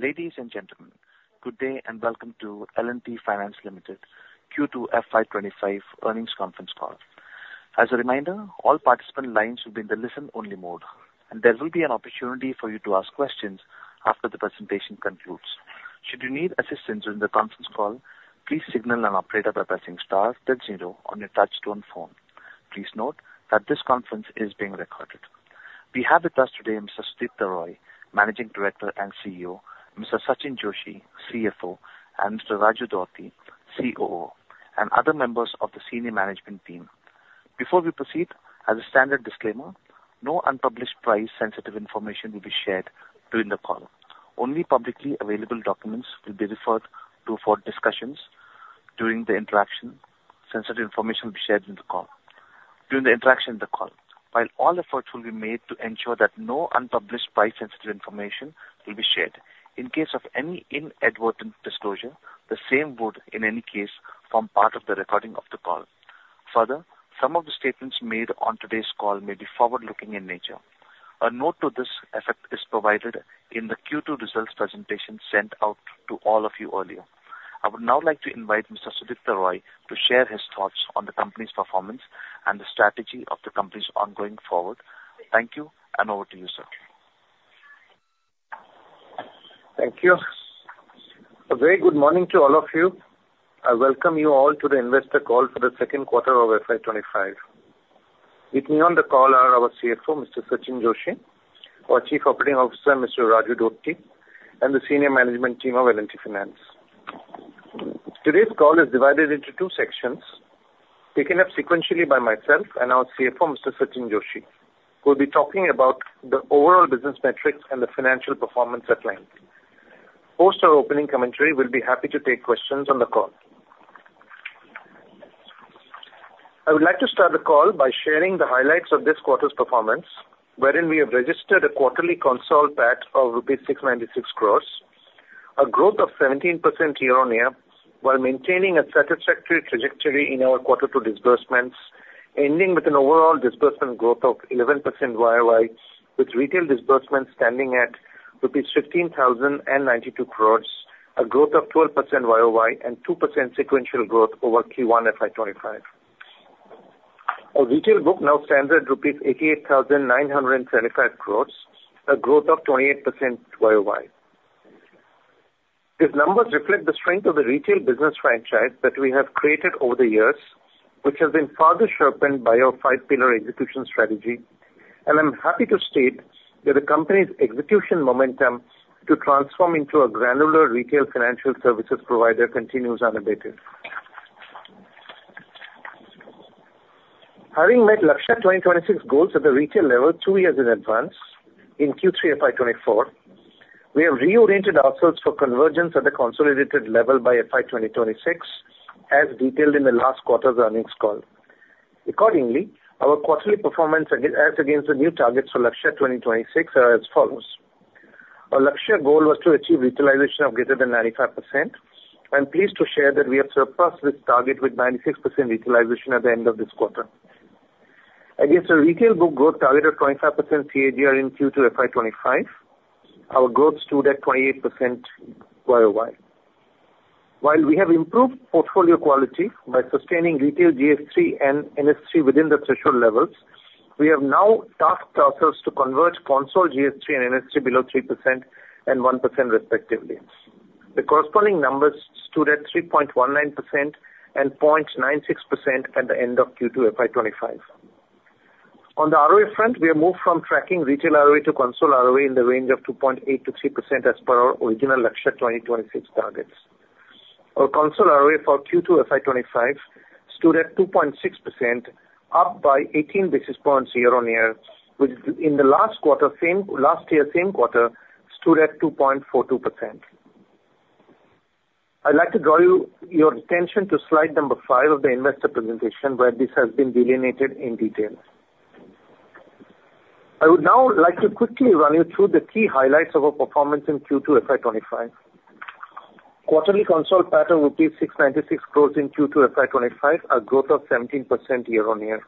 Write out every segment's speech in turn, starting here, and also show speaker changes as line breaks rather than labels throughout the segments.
Ladies and gentlemen, good day, and welcome to L&T Finance Limited Q2 FY 2025 earnings conference call. As a reminder, all participant lines will be in the listen-only mode, and there will be an opportunity for you to ask questions after the presentation concludes. Should you need assistance during the conference call, please signal an operator by pressing star then zero on your touchtone phone. Please note that this conference is being recorded. We have with us today Mr. Sudipta Roy, Managing Director and CEO, Mr. Sachinn Joshi, CFO, and Mr. Raju Dodti, COO, and other members of the senior management team. Before we proceed, as a standard disclaimer, no unpublished price sensitive information will be shared during the call. Only publicly available documents will be referred to for discussions during the interaction. Sensitive information will be shared in the call, during the interaction in the call. While all efforts will be made to ensure that no unpublished price sensitive information will be shared, in case of any inadvertent disclosure, the same would, in any case, form part of the recording of the call. Further, some of the statements made on today's call may be forward-looking in nature. A note to this effect is provided in the Q2 results presentation sent out to all of you earlier. I would now like to invite Mr. Sudipta Roy to share his thoughts on the company's performance and the strategy of the company's ongoing forward. Thank you, and over to you, sir.
Thank you. A very good morning to all of you. I welcome you all to the investor call for the second quarter of FY 2025. With me on the call are our CFO, Mr. Sachinn Joshi, our Chief Operating Officer, Mr. Raju Dodti, and the Senior Management Team of L&T Finance. Today's call is divided into two sections, taken up sequentially by myself and our CFO, Mr. Sachinn Joshi, who will be talking about the overall business metrics and the financial performance at length. Post our opening commentary, we'll be happy to take questions on the call. I would like to start the call by sharing the highlights of this quarter's performance, wherein we have registered a quarterly consolidated PAT of rupees 696 crore, a growth of 17% year-on-year, while maintaining a satisfactory trajectory in our quarter two disbursements, ending with an overall disbursement growth of 11% YoY, with retail disbursements standing at rupees 15,092 crore, a growth of 12% YoY, and 2% sequential growth over Q1 FY 2025. Our retail book now stands at rupees 88,925 crore, a growth of 28% YoY. These numbers reflect the strength of the retail business franchise that we have created over the years, which has been further sharpened by our five-pillar execution strategy. I'm happy to state that the company's execution momentum to transform into a granular retail financial services provider continues unabated. Having met Lakshya 2026 goals at the retail level two years in advance, in Q3 FY 2024, we have reoriented ourselves for convergence at the consolidated level by FY 2026, as detailed in the last quarter's earnings call. Accordingly, our quarterly performance as against the new targets for Lakshya 2026 are as follows: Our Lakshya goal was to achieve utilization of greater than 95%. I'm pleased to share that we have surpassed this target with 96% utilization at the end of this quarter. Against a retail book growth target of 25% CAGR in Q2 FY 2025, our growth stood at 28% YoY. While we have improved portfolio quality by sustaining retail GS3 and NS3 within the threshold levels, we have now tasked ourselves to convert consolidated GS3 and NS3 below 3% and 1%, respectively. The corresponding numbers stood at 3.19% and 0.96% at the end of Q2 FY 2025. On the ROA front, we have moved from tracking retail ROA to consolidated ROA in the range of 2.8%-3%, as per our original Lakshya 2026 targets. Our consolidated ROA for Q2 FY 2025 stood at 2.6%, up by 18 basis points year-on-year, which in the last quarter last year, same quarter, stood at 2.42%. I'd like to draw your attention to slide number five of the investor presentation, where this has been delineated in detail. I would now like to quickly run you through the key highlights of our performance in Q2 FY 2025. Quarterly consolidated PAT of 696 crore in Q2 FY 2025, a growth of 17% year-on-year.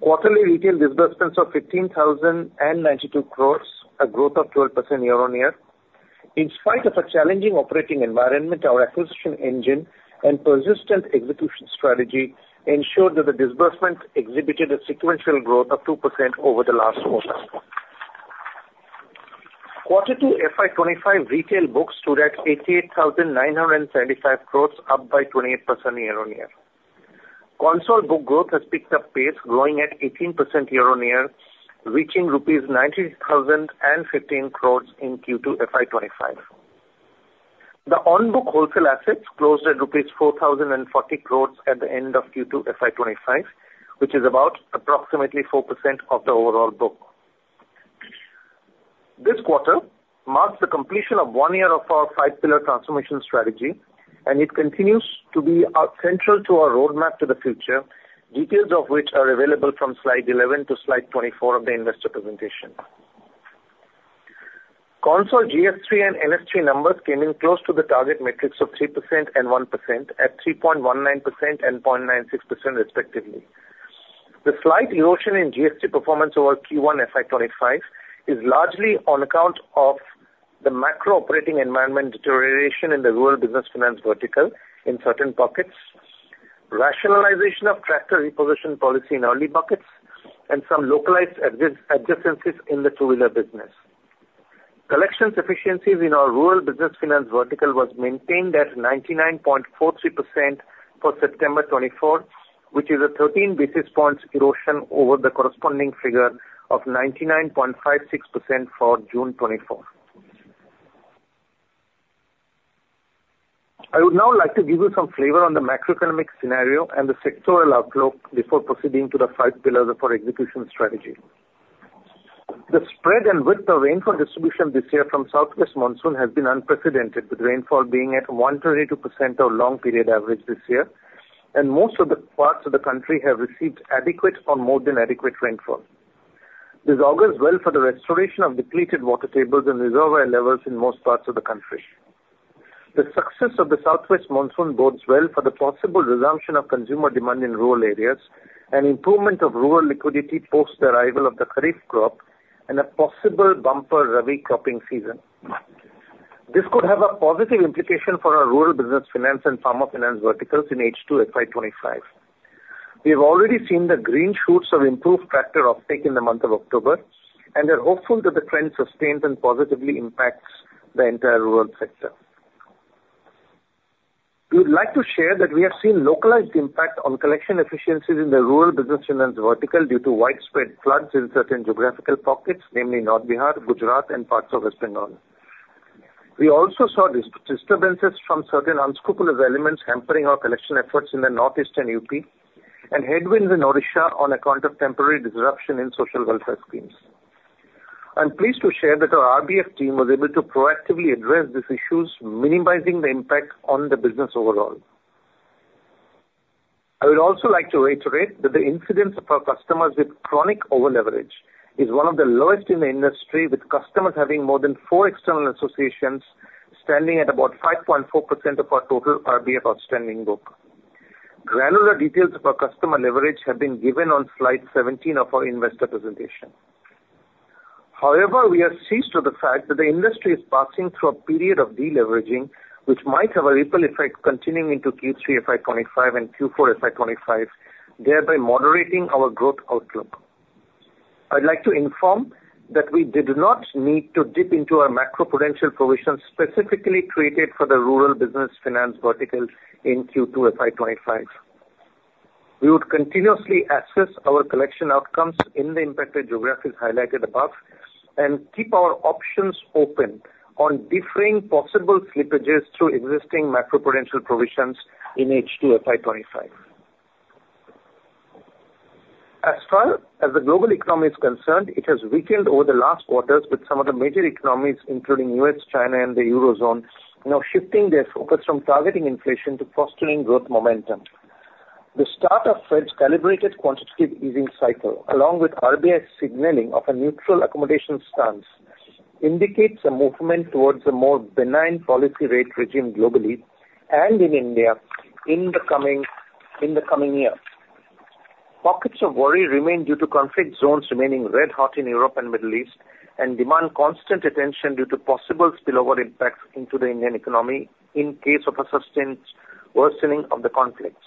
Quarterly retail disbursements of 15,092 crore, a growth of 12% year-on-year. In spite of a challenging operating environment, our acquisition engine and persistent execution strategy ensured that the disbursements exhibited a sequential growth of 2% over the last quarter. Quarter two FY 2025 retail books stood at 88,975 crore, up by 28% year-on-year. Consolidated book growth has picked up pace, growing at 18% year-on-year, reaching rupees 90,015 crore in Q2 FY 2025. The on-book wholesale assets closed at rupees 4,040 crore at the end of Q2 FY 2025, which is approximately 4% of the overall book. This quarter marks the completion of one year of our five-pillar transformation strategy, and it continues to be central to our roadmap to the future, details of which are available from slide 11 to slide 24 of the investor presentation. Consolidated GS3 and NS3 numbers came in close to the target metrics of 3% and 1%, at 3.19% and 0.96%, respectively. The slight erosion in GS3 performance over Q1 FY 2025 is largely on account of the macro operating environment deterioration in the Rural Business Finance vertical in certain pockets, rationalization of tractor repossession policy in early buckets, and some localized adversities in the two-wheeler business. Collections efficiencies in our Rural Business Finance vertical was maintained at 99.43% for September 2024, which is a 13 basis points erosion over the corresponding figure of 99.56% for June 2024. I would now like to give you some flavor on the macroeconomic scenario and the sectoral outlook before proceeding to the five pillars of our execution strategy. The spread and width of rainfall distribution this year from Southwest Monsoon has been unprecedented, with rainfall being at 1.2% of long period average this year, and most of the parts of the country have received adequate or more than adequate rainfall. This augurs well for the restoration of depleted water tables and reservoir levels in most parts of the country. The success of the Southwest Monsoon bodes well for the possible resumption of consumer demand in rural areas and improvement of rural liquidity post the arrival of the Kharif crop and a possible bumper Rabi cropping season. This could have a positive implication for our Rural Business Finance and farm equipment finance verticals in H2 FY 2025. We have already seen the green shoots of improved tractor uptake in the month of October, and we're hopeful that the trend sustains and positively impacts the entire rural sector. We would like to share that we have seen localized impact on collection efficiencies in the Rural Business Finance vertical due to widespread floods in certain geographical pockets, namely North Bihar, Gujarat and parts of Western India. We also saw disturbances from certain unscrupulous elements hampering our collection efforts in the Northeastern UP and headwinds in Odisha on account of temporary disruption in social welfare schemes. I'm pleased to share that our RBF team was able to proactively address these issues, minimizing the impact on the business overall. I would also like to reiterate that the incidence of our customers with chronic overleverage is one of the lowest in the industry, with customers having more than four external associations, standing at about 5.4% of our total RBF outstanding book. Granular details of our customer leverage have been given on slide 17 of our investor presentation. However, we are seized of the fact that the industry is passing through a period of deleveraging, which might have a ripple effect continuing into Q3 FY 2025 and Q4 FY 2025, thereby moderating our growth outlook. I'd like to inform that we did not need to dip into our macroprudential provisions specifically created for the Rural Business Finance vertical in Q2 FY 2025. We would continuously assess our collection outcomes in the impacted geographies highlighted above and keep our options open on differing possible slippages through existing macroprudential provisions in H2 FY 2025 As far as the global economy is concerned, it has weakened over the last quarters, with some of the major economies, including U.S., China and the Eurozone, now shifting their focus from targeting inflation to fostering growth momentum. The start of Fed's calibrated quantitative easing cycle, along with RBI's signaling of a neutral accommodation stance, indicates a movement towards a more benign policy rate regime globally and in India in the coming years. Pockets of worry remain due to conflict zones remaining red hot in Europe and Middle East and demand constant attention due to possible spillover impacts into the Indian economy in case of a sustained worsening of the conflicts.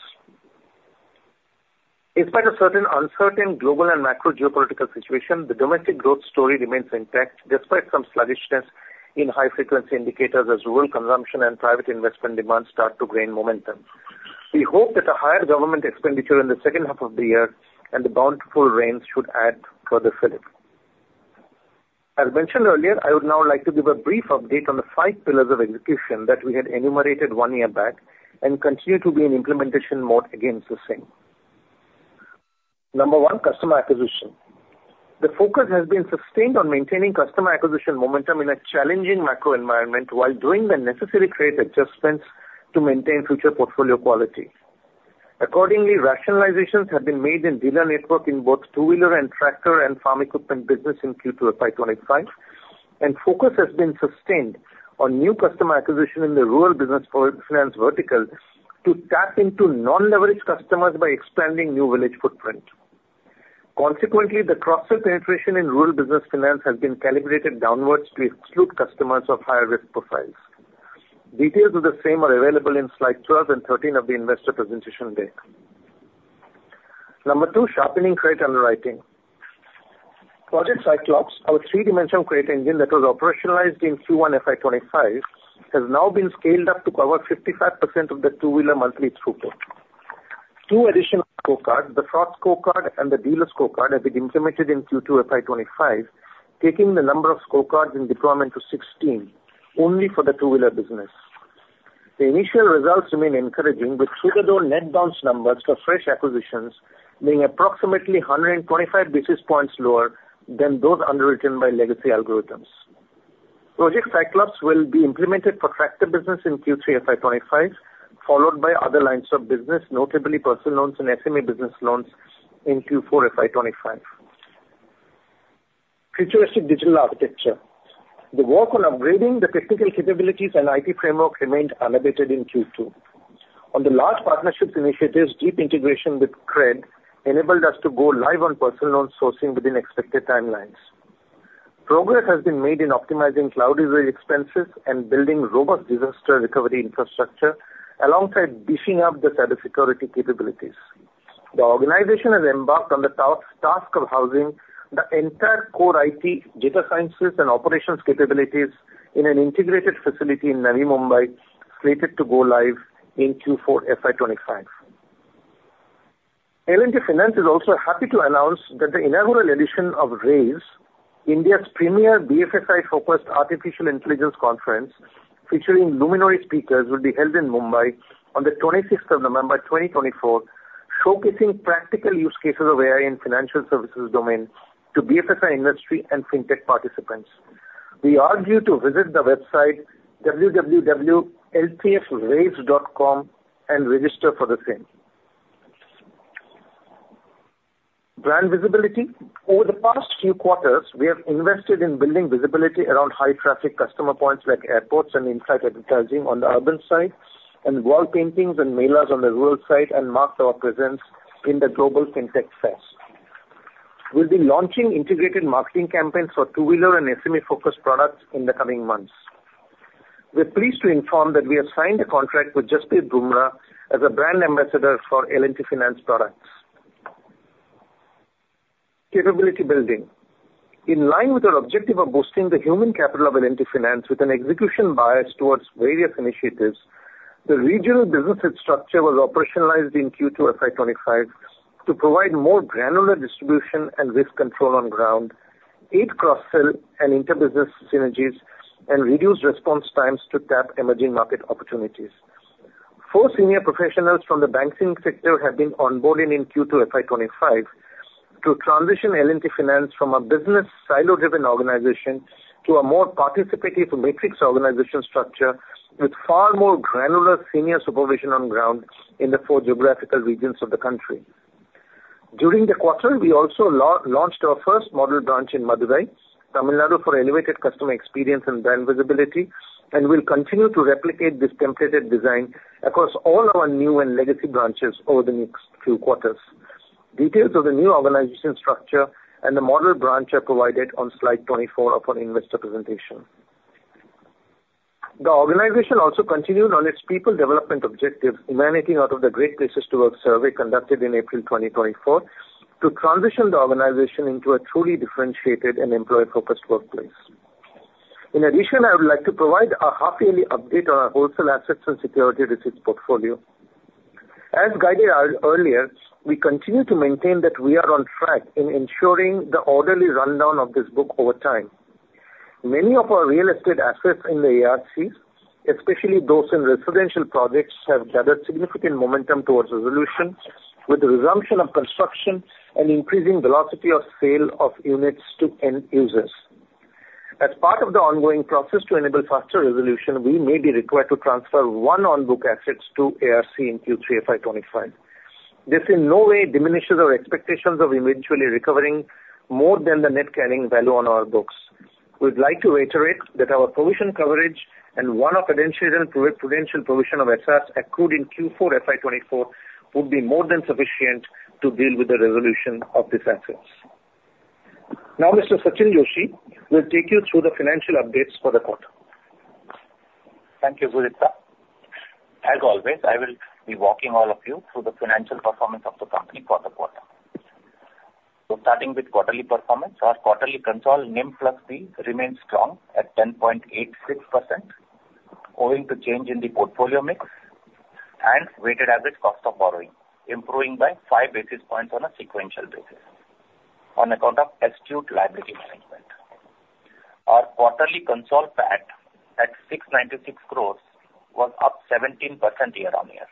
In spite of certain uncertain global and macro geopolitical situation, the domestic growth story remains intact, despite some sluggishness in high-frequency indicators as rural consumption and private investment demand start to gain momentum. We hope that a higher government expenditure in the second half of the year and the bountiful rains should add further fillip. As mentioned earlier, I would now like to give a brief update on the five pillars of execution that we had enumerated one year back and continue to be in implementation mode against the same. Number one, customer acquisition. The focus has been sustained on maintaining customer acquisition momentum in a challenging macro environment, while doing the necessary credit adjustments to maintain future portfolio quality. Accordingly, rationalizations have been made in dealer network in both two-wheeler and tractor and farm equipment business in Q2 of FY 2025, and focus has been sustained on new customer acquisition in the Rural Business Finance vertical to tap into non-leveraged customers by expanding new village footprint. Consequently, the cross-sell penetration in Rural Business Finance has been calibrated downwards to exclude customers of higher risk profiles. Details of the same are available in slide 12 and 13 of the investor presentation deck. Number two, sharpening credit underwriting. Project Cyclops, our three-dimensional credit engine that was operationalized in Q1 FY 2025, has now been scaled up to cover 55% of the two-wheeler monthly throughput. Two additional scorecards, the fraud scorecard and the dealer scorecard, have been implemented in Q2 FY 2025, taking the number of scorecards in deployment to 16 only for the two-wheeler business. The initial results remain encouraging, with through-the-door net bounce numbers for fresh acquisitions being approximately 125 basis points lower than those underwritten by legacy algorithms. Project Cyclops will be implemented for tractor business in Q3 FY 2025, followed by other lines of business, notably personal loans and SME business loans in Q4 FY 2025. Futuristic digital architecture. The work on upgrading the technical capabilities and IT framework remained unabated in Q2. On the large partnerships initiatives, deep integration with CRED enabled us to go live on personal loan sourcing within expected timelines. Progress has been made in optimizing cloud expenses and building robust disaster recovery infrastructure, alongside beefing up the cyber security capabilities. The organization has embarked on the task of housing the entire core IT, data sciences and operations capabilities in an integrated facility in Navi Mumbai, slated to go live in Q4 FY 2025. L&T Finance is also happy to announce that the inaugural edition of RAISE, India's premier BFSI-focused artificial intelligence conference, featuring luminary speakers, will be held in Mumbai on the 26th of November 2024, showcasing practical use cases of AI in financial services domain to BFSI industry and Fintech participants. We urge you to visit the website www.ltfraise.com and register for the same. Brand visibility. Over the past few quarters, we have invested in building visibility around high traffic customer points like airports and inside advertising on the urban side, and wall paintings and mailers on the rural side, and marked our presence in the Global Fintech Fest. We'll be launching integrated marketing campaigns for two-wheeler and SME-focused products in the coming months. We are pleased to inform that we have signed a contract with Jasprit Bumrah as a brand ambassador for L&T Finance products. Capability building. In line with our objective of boosting the human capital of L&T Finance with an execution bias towards various initiatives, the regional business structure was operationalized in Q2 FY 2025 to provide more granular distribution and risk control on ground, aid cross-sell and inter-business synergies, and reduce response times to tap emerging market opportunities. Four senior professionals from the banking sector have been onboarding in Q2 FY 2025 to transition L&T Finance from a business silo-driven organization to a more participative matrix organization structure, with far more granular senior supervision on ground in the four geographical regions of the country. During the quarter, we also launched our first model branch in Madurai, Tamil Nadu, for elevated customer experience and brand visibility, and we'll continue to replicate this templated design across all our new and legacy branches over the next few quarters. Details of the new organization structure and the model branch are provided on slide 24 of our investor presentation. The organization also continued on its people development objective, emanating out of the Great Place to Work survey conducted in April 2024, to transition the organization into a truly differentiated and employee-focused workplace. In addition, I would like to provide a half-yearly update on our wholesale assets and security receipts portfolio. As guided earlier, we continue to maintain that we are on track in ensuring the orderly rundown of this book over time. Many of our real estate assets in the ARCs, especially those in residential projects, have gathered significant momentum towards resolution, with the resumption of construction and increasing velocity of sale of units to end users. As part of the ongoing process to enable faster resolution, we may be required to transfer one on-book assets to ARC in Q3 FY 2025. This in no way diminishes our expectations of eventually recovering more than the net carrying value on our books. We'd like to reiterate that our provision coverage and one-off counter-cyclical prudential provision of assets accrued in Q4 FY 2024 would be more than sufficient to deal with the resolution of these assets. Now, Mr. Sachinn Joshi will take you through the financial updates for the quarter.
Thank you, Sudipta. As always, I will be walking all of you through the financial performance of the company for the quarter, so starting with quarterly performance, our quarterly consolidated NIM plus fee remains strong at 10.86%, owing to change in the portfolio mix and weighted average cost of borrowing, improving by five basis points on a sequential basis on account of astute liability management. Our quarterly consol PAT at 696 crore was up 17% year-on-year.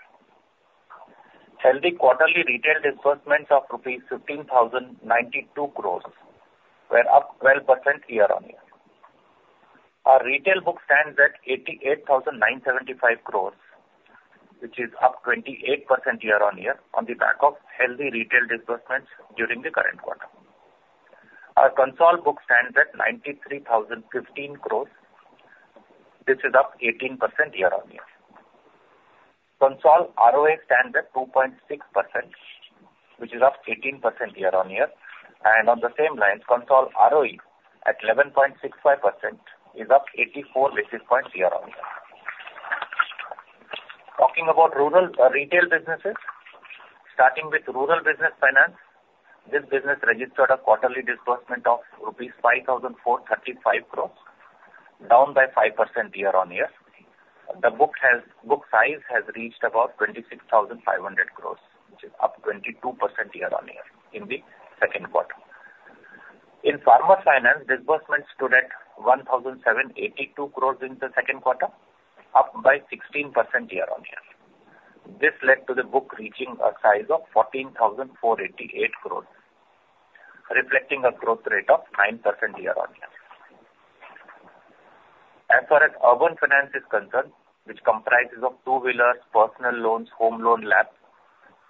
Healthy quarterly retail disbursements of rupees 15,092 crore were up 12% year-on-year. Our retail book stands at 88,975 crore, which is up 28% year-on-year, on the back of healthy retail disbursements during the current quarter. Our consol book stands at 93,015 crore. This is up 18% year-on-year. Consolidated ROA stands at 2.6%, which is up 18% year-on-year, and on the same lines, Consolidated ROE at 11.65% is up 84 basis points year-on-year. Talking about rural retail businesses, starting with Rural Business Finance, this business registered a quarterly disbursement of rupees 5,435 crore, down by 5% year-on-year. The book size has reached about 26,500 crore, which is up 22% year-on-year in the second quarter. In farmer finance, disbursements stood at 1,782 crore in the second quarter, up by 16% year-on-year. This led to the book reaching a size of 14,488 crore, reflecting a growth rate of 9% year-on-year. As far as urban finance is concerned, which comprises of two-wheelers, personal loans, home loans, LAP,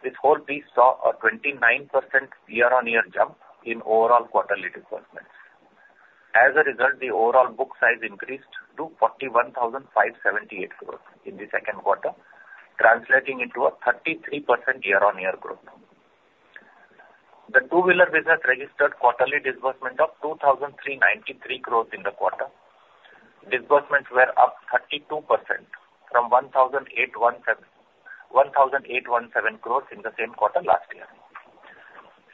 this whole piece saw a 29% year-on-year jump in overall quarterly disbursements. As a result, the overall book size increased to 41,578 crore in the second quarter, translating into a 33% year-on-year growth. The two-wheeler business registered quarterly disbursement of 2,393 crore in the quarter. Disbursements were up 32% from 1,817 crore in the same quarter last year.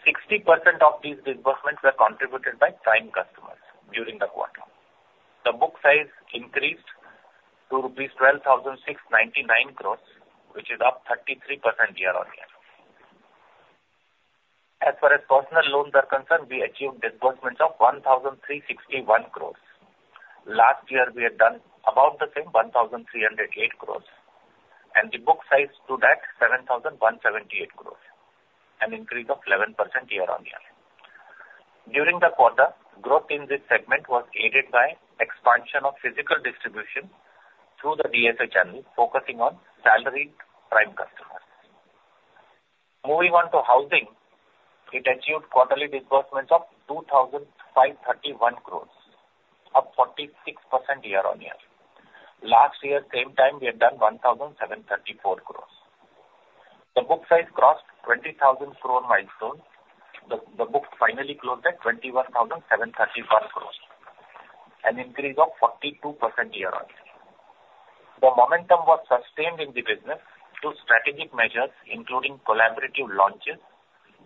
60% of these disbursements were contributed by prime customers during the quarter. The book size increased to rupees 12,699 crore, which is up 33% year-on-year. As far as personal loans are concerned, we achieved disbursements of 1,361 crore. Last year, we had done about the same, 1,308 crore, and the book size stood at 7,178 crore, an increase of 11% year-on-year. During the quarter, growth in this segment was aided by expansion of physical distribution through the DSA channel, focusing on salaried prime customers. Moving on to housing, it achieved quarterly disbursements of 2,531 crore, up 46% year-on-year. Last year, same time, we had done 1,734 crore. The book size crossed 20,000 crore milestone. The book finally closed at 21,731 crore, an increase of 42% year-on-year. The momentum was sustained in the business through strategic measures, including collaborative launches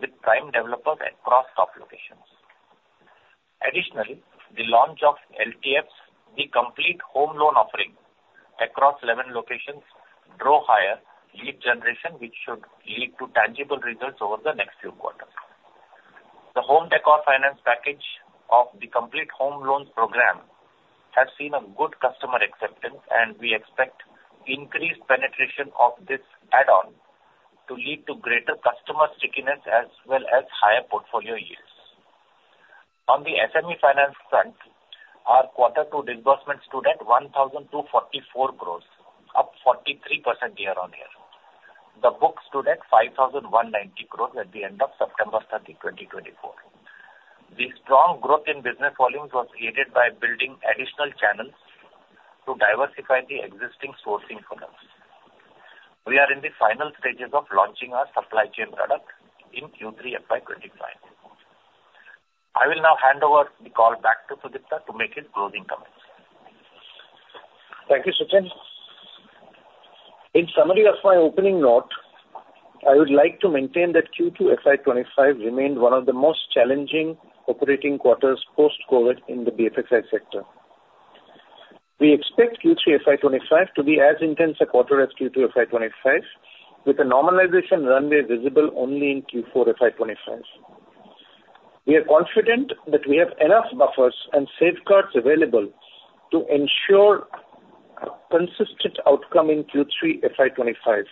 with prime developers across top locations. Additionally, the launch of L&T's, the Complete Home Loan offering across 11 locations, drove higher lead generation, which should lead to tangible results over the next few quarters. The home decor finance package of the Complete Home Loans program has seen a good customer acceptance, and we expect increased penetration of this add-on to lead to greater customer stickiness, as well as higher portfolio yields. On the SME Finance front, our quarter two disbursements stood at 1,244 crore, up 43% year-on-year. The books stood at 5,190 crore at the end of September 30th, 2024. The strong growth in business volumes was aided by building additional channels to diversify the existing sourcing products. We are in the final stages of launching our supply chain product in Q3 FY 2025. I will now hand over the call back to Sudipta to make his closing comments.
Thank you, Sachinn. In summary of my opening note, I would like to maintain that Q2 FY 2025 remained one of the most challenging operating quarters post-COVID in the BFSI sector. We expect Q3 FY 2025 to be as intense a quarter as Q2 FY 2025, with a normalization runway visible only in Q4 FY 2025. We are confident that we have enough buffers and safeguards available to ensure a consistent outcome in Q3 FY 2025,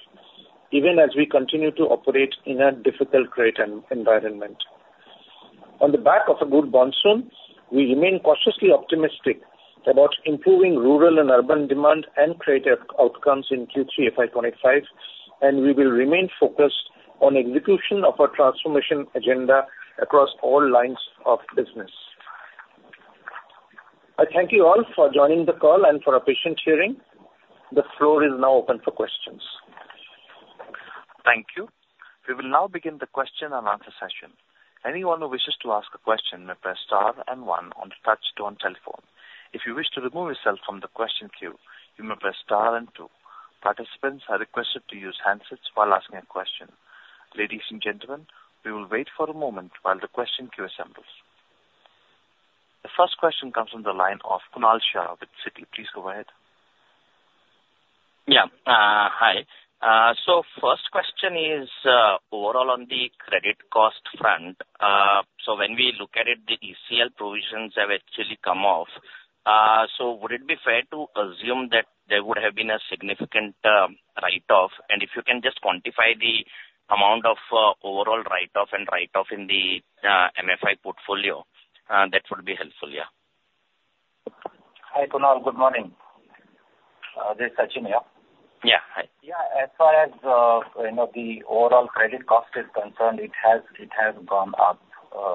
even as we continue to operate in a difficult credit environment. On the back of a good monsoon, we remain cautiously optimistic about improving rural and urban demand and credit outcomes in Q3 FY 2025, and we will remain focused on execution of our transformation agenda across all lines of business. I thank you all for joining the call and for your patient hearing. The floor is now open for questions.
Thank you. We will now begin the question and answer session. Anyone who wishes to ask a question may press star and one on touchtone telephone. If you wish to remove yourself from the question queue, you may press star and two. Participants are requested to use handsets while asking a question. Ladies and gentlemen, we will wait for a moment while the question queue assembles. The first question comes from the line of Kunal Shah with Citi. Please go ahead.
Yeah. Hi. So first question is, overall on the credit cost front. So when we look at it, the ECL provisions have actually come off. So would it be fair to assume that there would have been a significant write-off? And if you can just quantify the amount of overall write-off and write-off in the MFI portfolio, that would be helpful. Yeah.
Hi, Kunal. Good morning. This is Sachinn here.
Yeah. Hi.
Yeah. As far as, you know, the overall credit cost is concerned, it has gone up,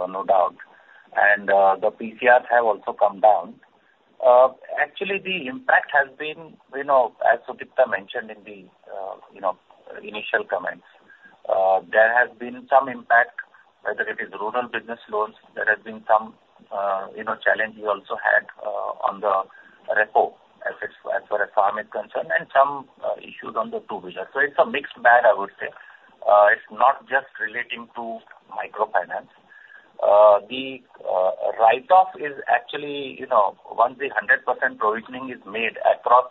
no doubt, and the PCRs have also come down. Actually, the impact has been, you know, as Sudipta mentioned in the, you know, initial comments, there has been some impact, whether it is rural business loans. There has been some, you know, challenge we also had, on the rural as far as farm is concerned, and some issues on the two-wheeler. So it's a mixed bag, I would say. It's not just relating to microfinance. The write-off is actually, you know, once the 100% provisioning is made across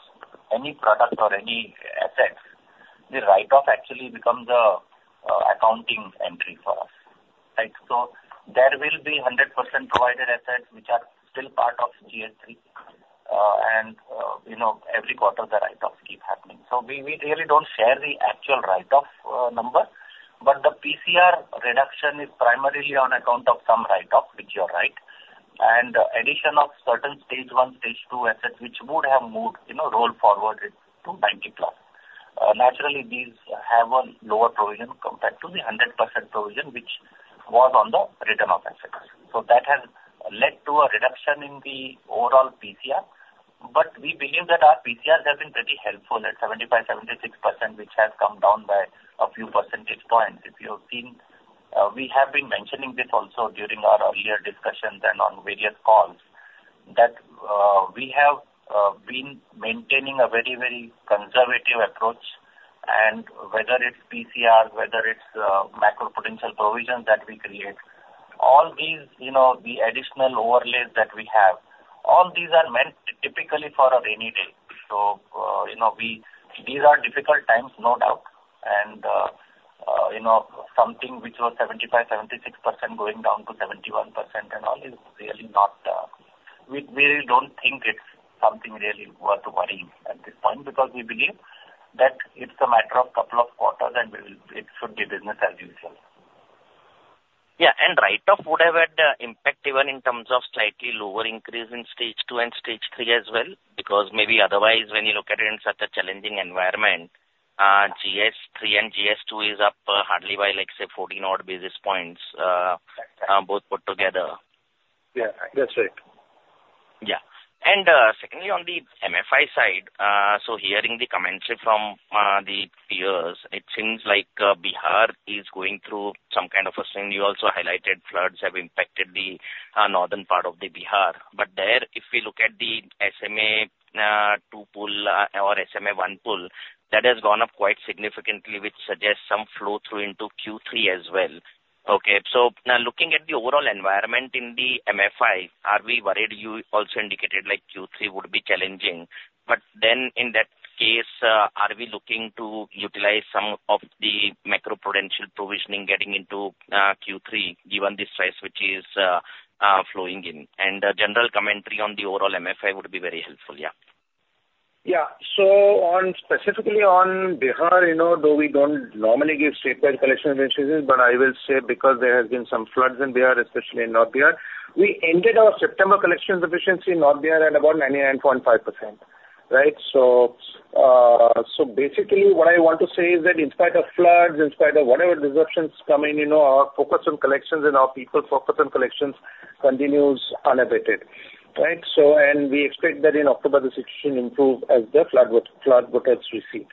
any product or any assets, the write-off actually becomes a accounting entry for us, right? So there will be 100% provisioned assets, which are still part of GS3, and you know, every quarter, the write-offs keep happening. So we really don't share the actual write-off number.... but the PCR reduction is primarily on account of some write-off, which you are right, and addition of certain Stage 1, Stage 2 assets, which would have moved, you know, rolled forward to 90+. Naturally, these have a lower provision compared to the 100% provision, which was on the written off assets. So that has led to a reduction in the overall PCR. But we believe that our PCR has been pretty helpful at 75%-76%, which has come down by a few percentage points. If you have seen, we have been mentioning this also during our earlier discussions and on various calls, that we have been maintaining a very, very conservative approach, and whether it's PCR, whether it's macroprudential provisions that we create, all these, you know, the additional overlays that we have, all these are meant typically for a rainy day. So, you know, these are difficult times, no doubt. You know, something which was 75%-76% going down to 71% and all is really not, we don't think it's something really worth worrying at this point, because we believe that it's a matter of couple of quarters, and we will, it should be business as usual.
Yeah, and write-off would have had an impact even in terms of slightly lower increase in stage two and stage three as well, because maybe otherwise, when you look at it in such a challenging environment, Gross Stage 3 and Gross Stage 2 is up hardly by, like, say, fourteen odd basis points, both put together.
Yeah, that's right.
Yeah. And, secondly, on the MFI side, so hearing the commentary from the peers, it seems like Bihar is going through some kind of a strain. You also highlighted floods have impacted the northern part of Bihar. But there, if we look at the SMA two pool or SMA one pool, that has gone up quite significantly, which suggests some flow through into Q3 as well. Okay. So now looking at the overall environment in the MFI, are we worried? You also indicated like Q3 would be challenging, but then in that case, are we looking to utilize some of the macroprudential provisioning getting into Q3, given the size which is flowing in? And a general commentary on the overall MFI would be very helpful, yeah.
Yeah. Specifically on Bihar, you know, though we don't normally give statewide collection efficiencies, but I will say because there has been some floods in Bihar, especially in North Bihar, we ended our September collection efficiency in North Bihar at about 99.5%, right? So, so basically what I want to say is that in spite of floods, in spite of whatever disruptions coming, you know, our focus on collections and our people's focus on collections continues unabated, right? So, and we expect that in October, the situation improved as the floodwaters recede.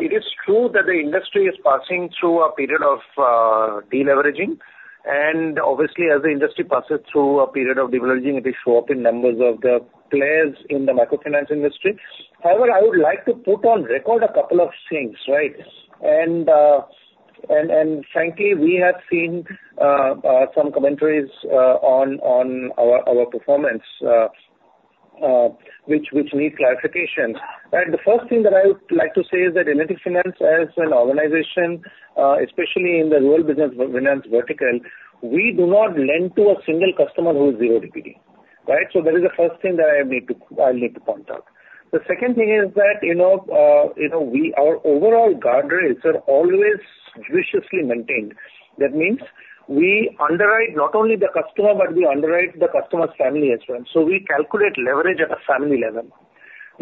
It is true that the industry is passing through a period of deleveraging, and obviously, as the industry passes through a period of deleveraging, it shows up in numbers of the players in the microfinance industry. However, I would like to put on record a couple of things, right? And frankly, we have seen some commentaries on our performance which need clarification. Right. The first thing that I would like to say is that L&T Finance as an organization, especially in the Rural Business Finance vertical, we do not lend to a single customer who is zero DPD, right? So that is the first thing that I will need to point out. The second thing is that, you know, we, our overall guardrails are always vigorously maintained. That means we underwrite not only the customer, but we underwrite the customer's family as well. So we calculate leverage at a family level.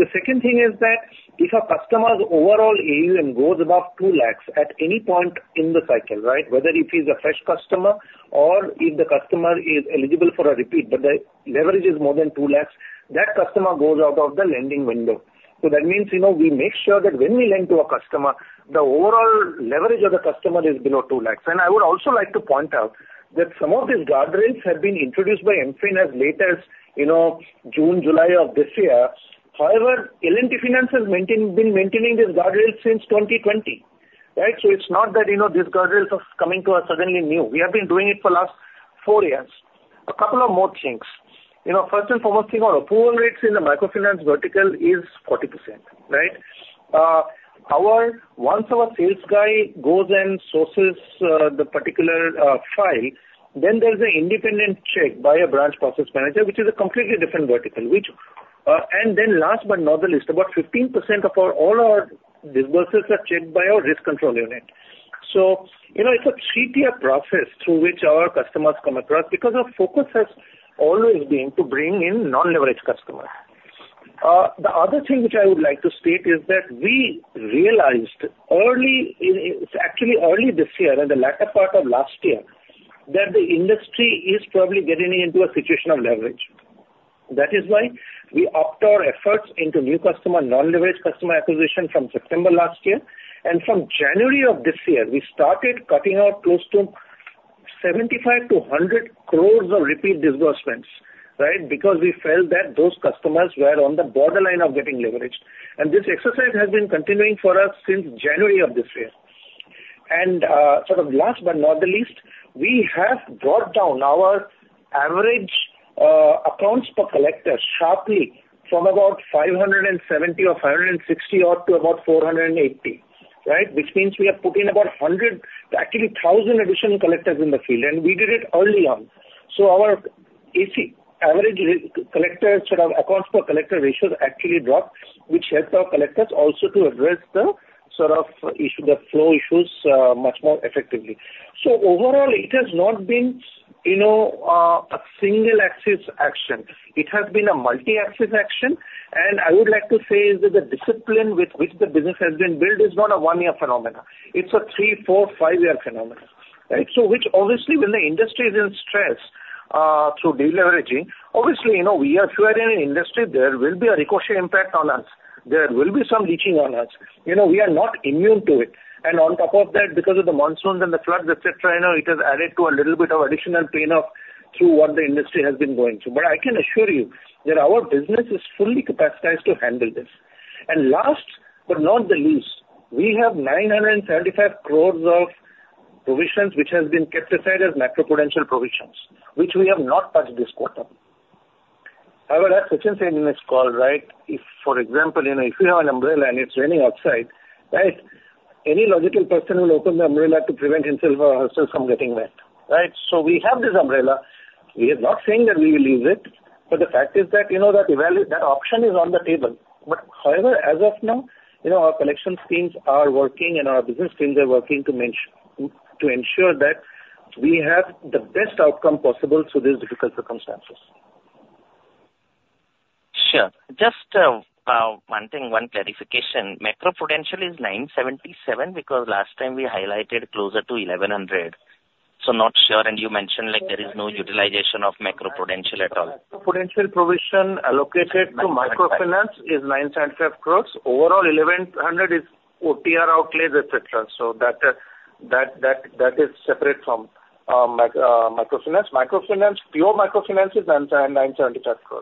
The second thing is that if a customer's overall AUM goes above 2 lakh at any point in the cycle, right? Whether if he's a fresh customer or if the customer is eligible for a repeat, but the leverage is more than 2 lakh, that customer goes out of the lending window. So that means, you know, we make sure that when we lend to a customer, the overall leverage of the customer is below 2 lakh. And I would also like to point out that some of these guardrails have been introduced by MFIN as late as, you know, June, July of this year. However, L&T Finance has maintained, been maintaining these guardrails since 2020, right? So it's not that, you know, these guardrails are coming to us suddenly new. We have been doing it for the last four years. A couple of more things. You know, first and foremost thing, our pool rates in the microfinance vertical is 40%, right? However, once our sales guy goes and sources the particular file, then there's an independent check by a branch process manager, which is a completely different vertical, which. And then last but not the least, about 15% of all our disbursements are checked by our Risk Control Unit. So, you know, it's a three-tier process through which our customers come across, because our focus has always been to bring in non-leveraged customers. The other thing which I would like to state is that we realized early in actually early this year and the latter part of last year, that the industry is probably getting into a situation of leverage. That is why we upped our efforts into new customer, non-leveraged customer acquisition from September last year. And from January of this year, we started cutting out close to 75 crore-100 crore of repeat disbursements, right? Because we felt that those customers were on the borderline of getting leveraged. And this exercise has been continuing for us since January of this year. And, sort of last but not the least, we have brought down our average, accounts per collector sharply from about 570 or 560 odd to about 480, right? Which means we have put in about 100, actually 1,000 additional collectors in the field, and we did it early on. So our-... If the average collectors sort of accounts per collector ratios actually drop, which helps our collectors also to address the sort of issue, the flow issues, much more effectively. So overall, it has not been, you know, a single axis action. It has been a multi-axis action, and I would like to say that the discipline with which the business has been built is not a one-year phenomena. It's a three, four, five-year phenomena, right? So which obviously, when the industry is in stress, through deleveraging, obviously, you know, we are sure in an industry there will be a ricochet impact on us. There will be some leaching on us. You know, we are not immune to it. And on top of that, because of the monsoons and the floods, et cetera, you know, it has added to a little bit of additional pain through what the industry has been going through. But I can assure you that our business is fully capacitized to handle this. And last but not the least, we have 975 crore of provisions which has been kept aside as macroprudential provisions, which we have not touched this quarter. However, as Sachinn said in this call, right, if, for example, you know, if you have an umbrella and it's raining outside, right? Any logical person will open the umbrella to prevent himself or herself from getting wet, right? So we have this umbrella. We are not saying that we will use it, but the fact is that, you know, that value, that option is on the table. But however, as of now, you know, our collection teams are working and our business teams are working to ensure that we have the best outcome possible through these difficult circumstances.
Sure. Just one thing, one clarification. Macroprudential is 977 crore, because last time we highlighted closer to 1,100 crore. So not sure, and you mentioned, like, there is no utilization of macroprudential at all.
Prudential provision allocated to microfinance is 975 crore. Overall, 1,100 crore is OTR overlays, et cetera. So that is separate from microfinance. Microfinance, pure microfinance is 975 crore.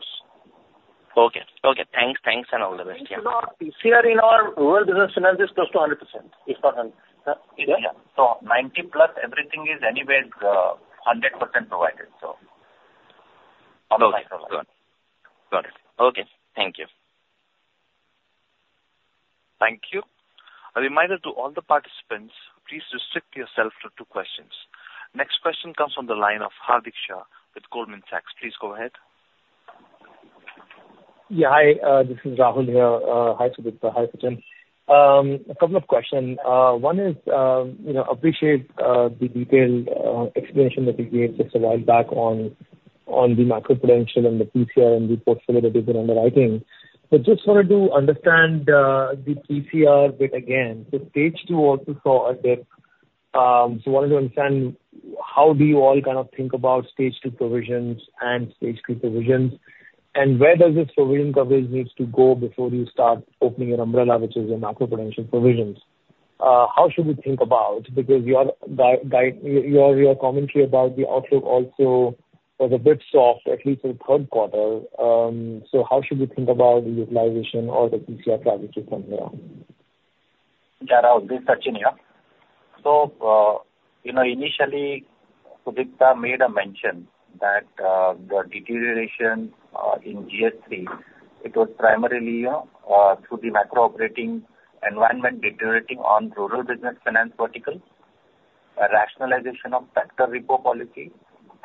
Okay. Okay, thanks. Thanks, and all the best. Yeah.
PCR in our Rural Business Finance is close to 100%. It's not 100%.
Yeah. So 90+, everything is anyway, 100% provided, so.
Okay, got it. Got it. Okay. Thank you.
Thank you. A reminder to all the participants, please restrict yourself to two questions. Next question comes from the line of Hardik Shah with Goldman Sachs. Please go ahead.
Yeah, hi, this is Rahul here. Hi, Sudipta. Hi, Sachinn. A couple of questions. One is, you know, appreciate the detailed explanation that you gave just a while back on the macroprudential and the PCR and the portfolio that is in underwriting. But just wanted to understand the PCR bit again. The stage two also saw a bit, so wanted to understand how do you all kind of think about stage two provisions and stage three provisions, and where does this provision coverage needs to go before you start opening an umbrella, which is a macroprudential provisions? How should we think about? Because your guide, your commentary about the outlook also was a bit soft, at least in the third quarter. So how should we think about the utilization or the PCR strategy from here on?
Yeah, Rahul, this is Sachinn here. So, you know, initially, Sudipta made a mention that, the deterioration, in Gross Stage 3, it was primarily, through the micro operating environment deteriorating on Rural Business Finance vertical, a rationalization of tractor repo policy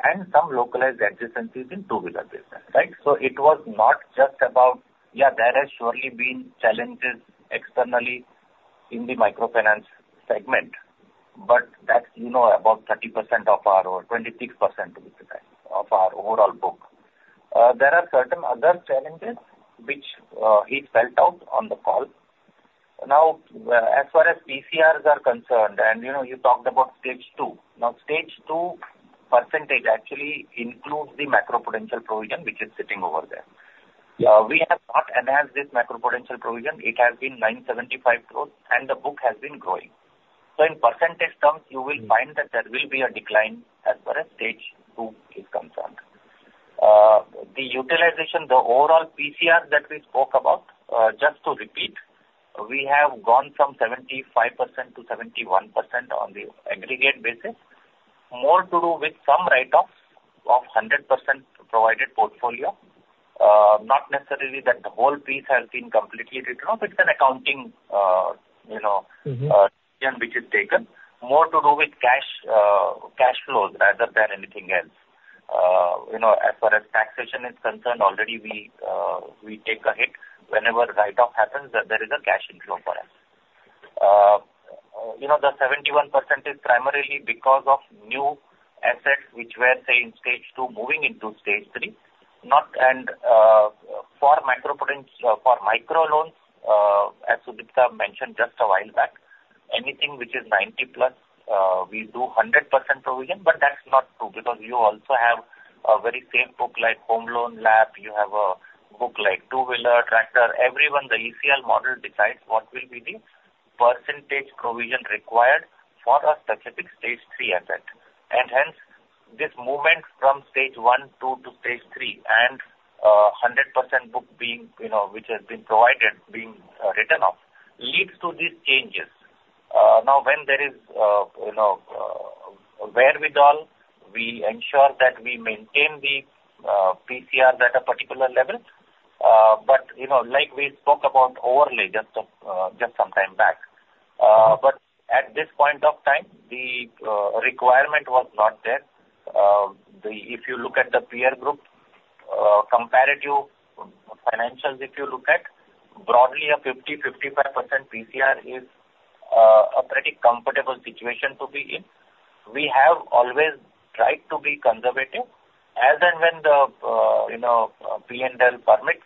and some localized adversities in two-wheeler business, right? So it was not just about... Yeah, there has surely been challenges externally in the microfinance segment, but that's, you know, about 30% or 26% of our overall book. There are certain other challenges which, he spelled out on the call. Now, as far as PCRs are concerned, and, you know, you talked about stage two. Now, stage two percentage actually includes the macroprudential provision, which is sitting over there. We have not enhanced this macroprudential provision. It has been 975 crore, and the book has been growing. So in percentage terms, you will find that there will be a decline as far as stage two is concerned. The utilization, the overall PCR that we spoke about, just to repeat, we have gone from 75% to 71% on the aggregate basis, more to do with some write-offs of 100% provided portfolio. Not necessarily that the whole piece has been completely written off. It's an accounting, you know-
Mm-hmm.
Decision which is taken. More to do with cash flows rather than anything else. You know, as far as taxation is concerned, already we take a hit whenever write-off happens, that there is a cash inflow for us. You know, the 71% is primarily because of new assets which were, say, in stage two, moving into stage three. For macroprudential, for micro loans, as Sudipta mentioned just a while back, anything which is 90+, we do 100% provision, but that's not true, because you also have a very same book, like home loan LAP, you have a book like two-wheeler, tractor. Everyone, the ECL model decides what will be the percentage provision required for a specific stage three asset. And hence, this movement from stage one, two to stage three and 100% book being, you know, which has been provided, being written off, leads to these changes. Now, when there is, you know, wherewithal, we ensure that we maintain the PCR at a particular level. But you know, like we spoke about overly just, just some time back. But at this point of time, the requirement was not there. If you look at the peer group comparative financials, broadly, a 50%-55% PCR is a pretty comfortable situation to be in. We have always tried to be conservative. As and when the, you know, P&L permits,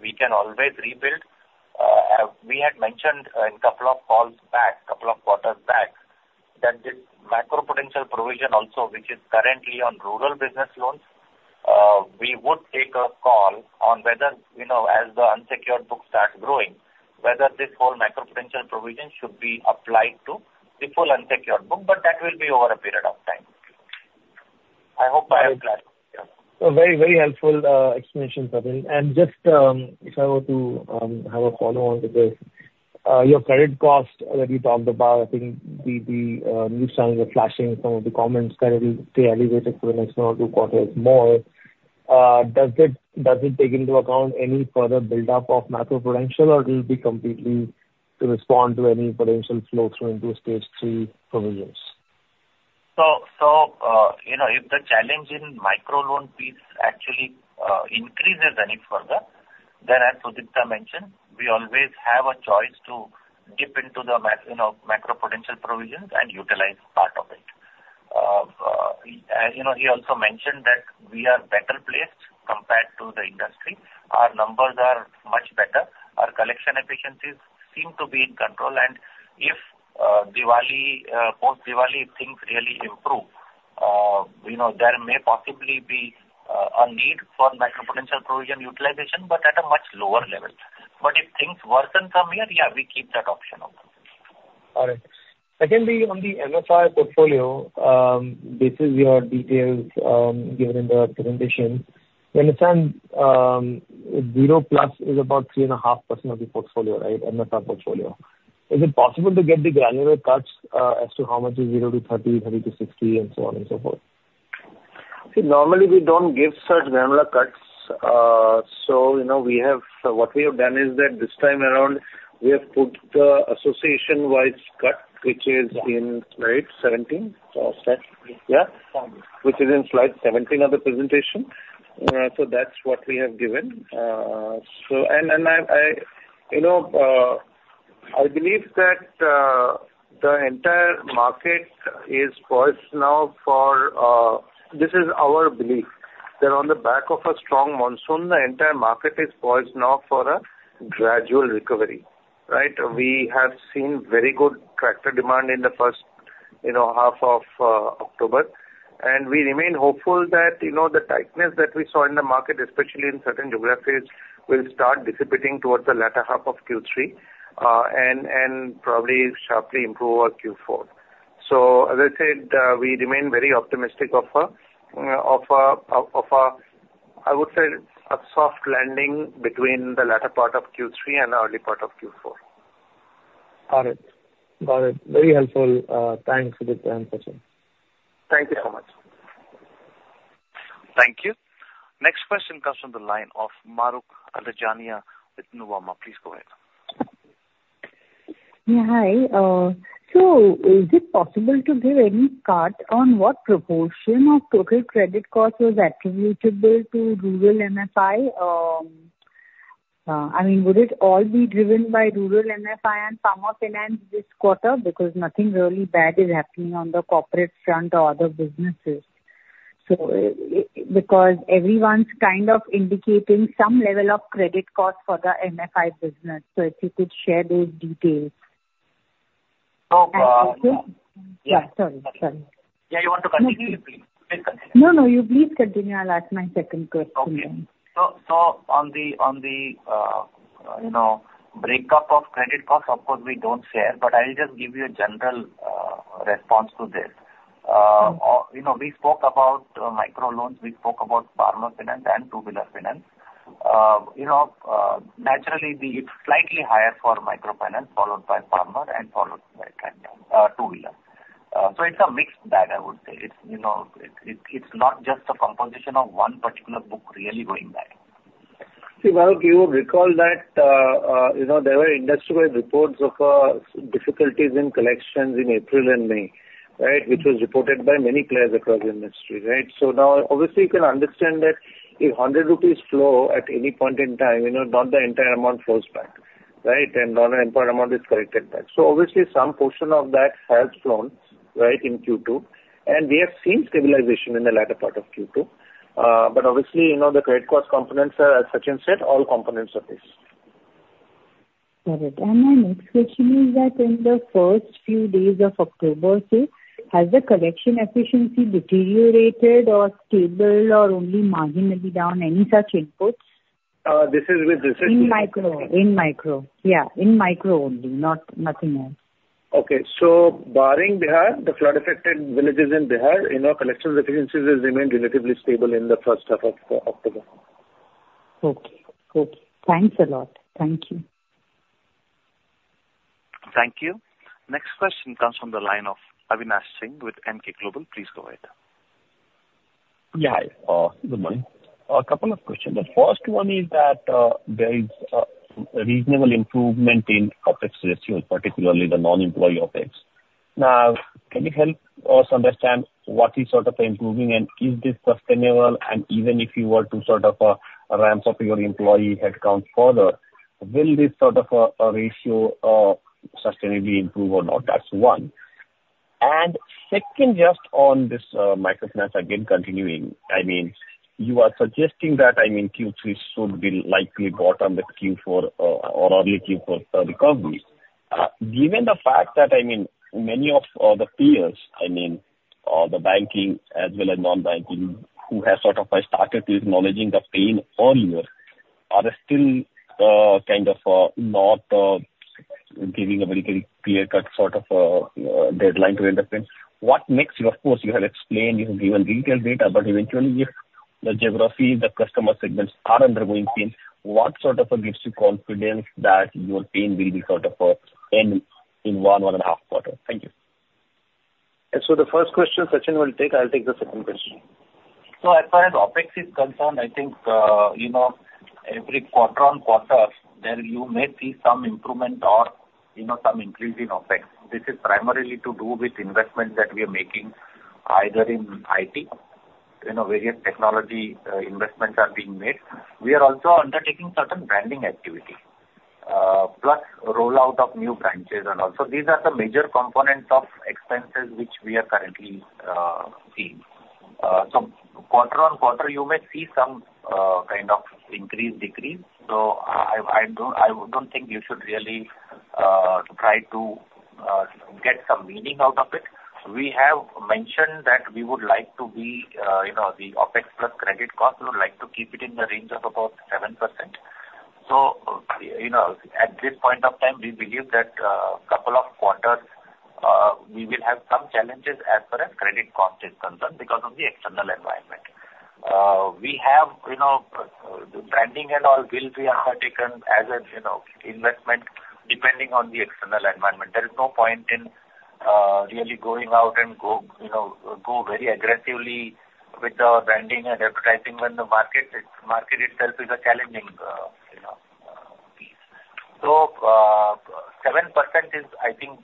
we can always rebuild. As we had mentioned in couple of calls back, couple of quarters back, that this macroprudential provision also, which is currently on rural business loans, we would take a call on whether, you know, as the unsecured book starts growing, whether this whole macroprudential provision should be applied to the full unsecured book, but that will be over a period of time. I hope I have addressed.
So very, very helpful explanation, Sachinn. And just if I were to have a follow-on to this, your credit cost that you talked about, I think the news channels are flashing some of the comments that it will stay elevated for the next one or two quarters more. Does it take into account any further buildup of macro-prudential, or it will be completely to respond to any potential flow through into stage three provisions?
You know, if the challenge in micro loan piece actually increases any further, then as Sudipta mentioned, we always have a choice to dip into the macro, you know, macroprudential provisions and utilize part of it. As you know, he also mentioned that we are better placed compared to the industry. Our numbers are much better. Our collection efficiencies seem to be in control, and if post-Diwali things really improve, you know, there may possibly be a need for macroprudential provision utilization, but at a much lower level. But if things worsen from here, yeah, we keep that option open.
All right. Secondly, on the MFI portfolio, these are the details given in the presentation. We understand, zero plus is about 3.5% of the portfolio, right? MFI portfolio. Is it possible to get the granular cuts, as to how much is zero to 30, 30 to 60, and so on and so forth?
See, normally, we don't give such granular cuts. So, you know, we have... What we have done is that this time around, we have put the association-wide cut, which is in-
Yeah.
Slide 17. Slide, yeah?
Seventeen.
Which is in slide 17 of the presentation, so that's what we have given, and I, you know, I believe that the entire market is poised now for... This is our belief, that on the back of a strong monsoon, the entire market is poised now for a gradual recovery, right? We have seen very good tractor demand in the first, you know, half of October, and we remain hopeful that, you know, the tightness that we saw in the market, especially in certain geographies, will start dissipating towards the latter half of Q3, and probably sharply improve our Q4, so as I said, we remain very optimistic of a soft landing between the latter part of Q3 and the early part of Q4, I would say.
Got it. Got it. Very helpful. Thanks, Sudipta and Sachinn.
Thank you so much.
Thank you. Next question comes from the line of Mahrukh Adajania with Nuvama. Please go ahead.
Yeah, hi. So is it possible to give any cut on what proportion of total credit cost was attributable to rural MFI? I mean, would it all be driven by rural MFI and farmer finance this quarter? Because nothing really bad is happening on the corporate front or other businesses. So, because everyone's kind of indicating some level of credit cost for the MFI business. So if you could share those details.
So, uh-
Yeah, sorry, sorry.
Yeah, you want to continue? Please, please continue.
No, no, you please continue. I'll ask my second question.
Okay. So on the you know, breakup of credit cost, of course, we don't share, but I'll just give you a general response to this.
Mm-hmm.
You know, we spoke about micro loans. We spoke about farmer finance and two-wheeler finance. You know, naturally, it's slightly higher for micro finance, followed by farmer and followed by two-wheeler. So it's a mixed bag, I would say. It's, you know, it's not just a composition of one particular book really going back.
See, Mahrukh, you would recall that, you know, there were industry-wide reports of difficulties in collections in April and May, right? Which was reported by many players across the industry, right? So now, obviously, you can understand that if 100 rupees flow at any point in time, you know, not the entire amount flows back, right? And not the entire amount is collected back. So obviously, some portion of that has flown, right, in Q2, and we have seen stabilization in the latter part of Q2. But obviously, you know, the credit cost components are, as Sachinn said, all components of this.
Got it. And my next question is that in the first few days of October, say, has the collection efficiency deteriorated or stable or only marginally down? Any such inputs?
This is with respect to-
In micro. In micro, yeah, in micro only, not nothing else.
Okay. So barring Bihar, the flood-affected villages in Bihar, you know, collection efficiencies has remained relatively stable in the first half of October.
Okay. Good. Thanks a lot. Thank you.
Thank you. Next question comes from the line of Avinash Singh with Emkay Global. Please go ahead....
Yeah, good morning. A couple of questions. The first one is that there is a reasonable improvement in OpEx ratio, particularly the non-employee OpEx. Now, can you help us understand what is sort of improving, and is this sustainable? And even if you were to sort of ramp up your employee headcount further, will this sort of ratio sustainably improve or not? That's one. And second, just on this microfinance again, continuing, I mean, you are suggesting that, I mean, Q3 should be likely bottom with Q4 or early Q4 recovery. Given the fact that, I mean, many of the peers, I mean, the banking as well as non-banking, who have sort of started acknowledging the pain earlier, are they still kind of not giving a very, very clear-cut sort of deadline to end the pain? What makes you... Of course, you have explained, you have given detailed data, but eventually, if the geography, the customer segments are undergoing pain, what sort of gives you confidence that your pain will be sort of end in one and a half quarter? Thank you.
So, the first question, Sachinn will take. I'll take the second question.
So as far as OpEx is concerned, I think, you know, every quarter-on-quarter, then you may see some improvement or, you know, some increase in OpEx. This is primarily to do with investment that we are making, either in IT, you know, various technology, investments are being made. We are also undertaking certain branding activity, plus rollout of new branches and all. So these are the major components of expenses which we are currently, seeing. So quarter-on-quarter, you may see some, kind of increase, decrease. So I don't think you should really, try to, get some meaning out of it. We have mentioned that we would like to be, you know, the OpEx plus credit cost, we would like to keep it in the range of about 7%. You know, at this point of time, we believe that a couple of quarters we will have some challenges as far as credit cost is concerned because of the external environment. We have, you know, the branding and all will be taken as a you know investment, depending on the external environment. There is no point in really going out and going you know very aggressively with our branding and advertising when the market itself is a challenging you know piece. 7% is, I think,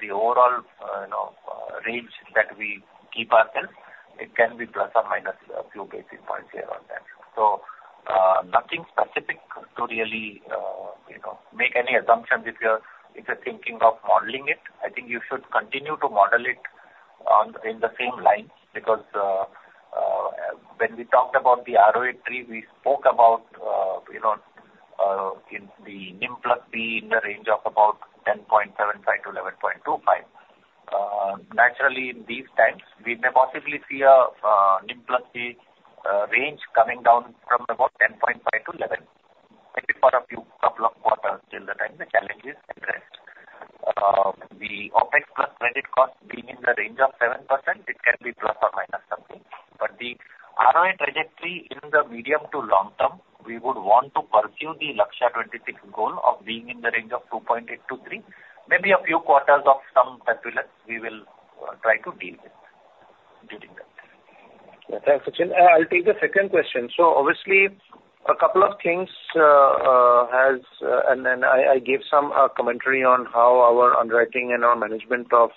the overall you know range that we give ourselves. It can be plus or minus a few basis points here or there. Nothing specific to really you know make any assumptions if you're if you're thinking of modeling it. I think you should continue to model it on, in the same lines, because, when we talked about the ROE three, we spoke about, you know, in the NIM plus fee in the range of about 10.75-11.25. Naturally, in these times, we may possibly see a, NIM plus fee, range coming down from about 10.5-11, maybe for a few couple of quarters till the time the challenge is addressed. The OpEx plus credit cost being in the range of 7%, it can be plus or minus something. But the ROA trajectory in the medium to long term, we would want to pursue the Lakshya 2026 goal of being in the range of 2.8-3. Maybe a few quarters of some turbulence we will try to deal with during that.
Thanks, Sachinn. I'll take the second question. So obviously, a couple of things has and then I gave some commentary on how our underwriting and our management of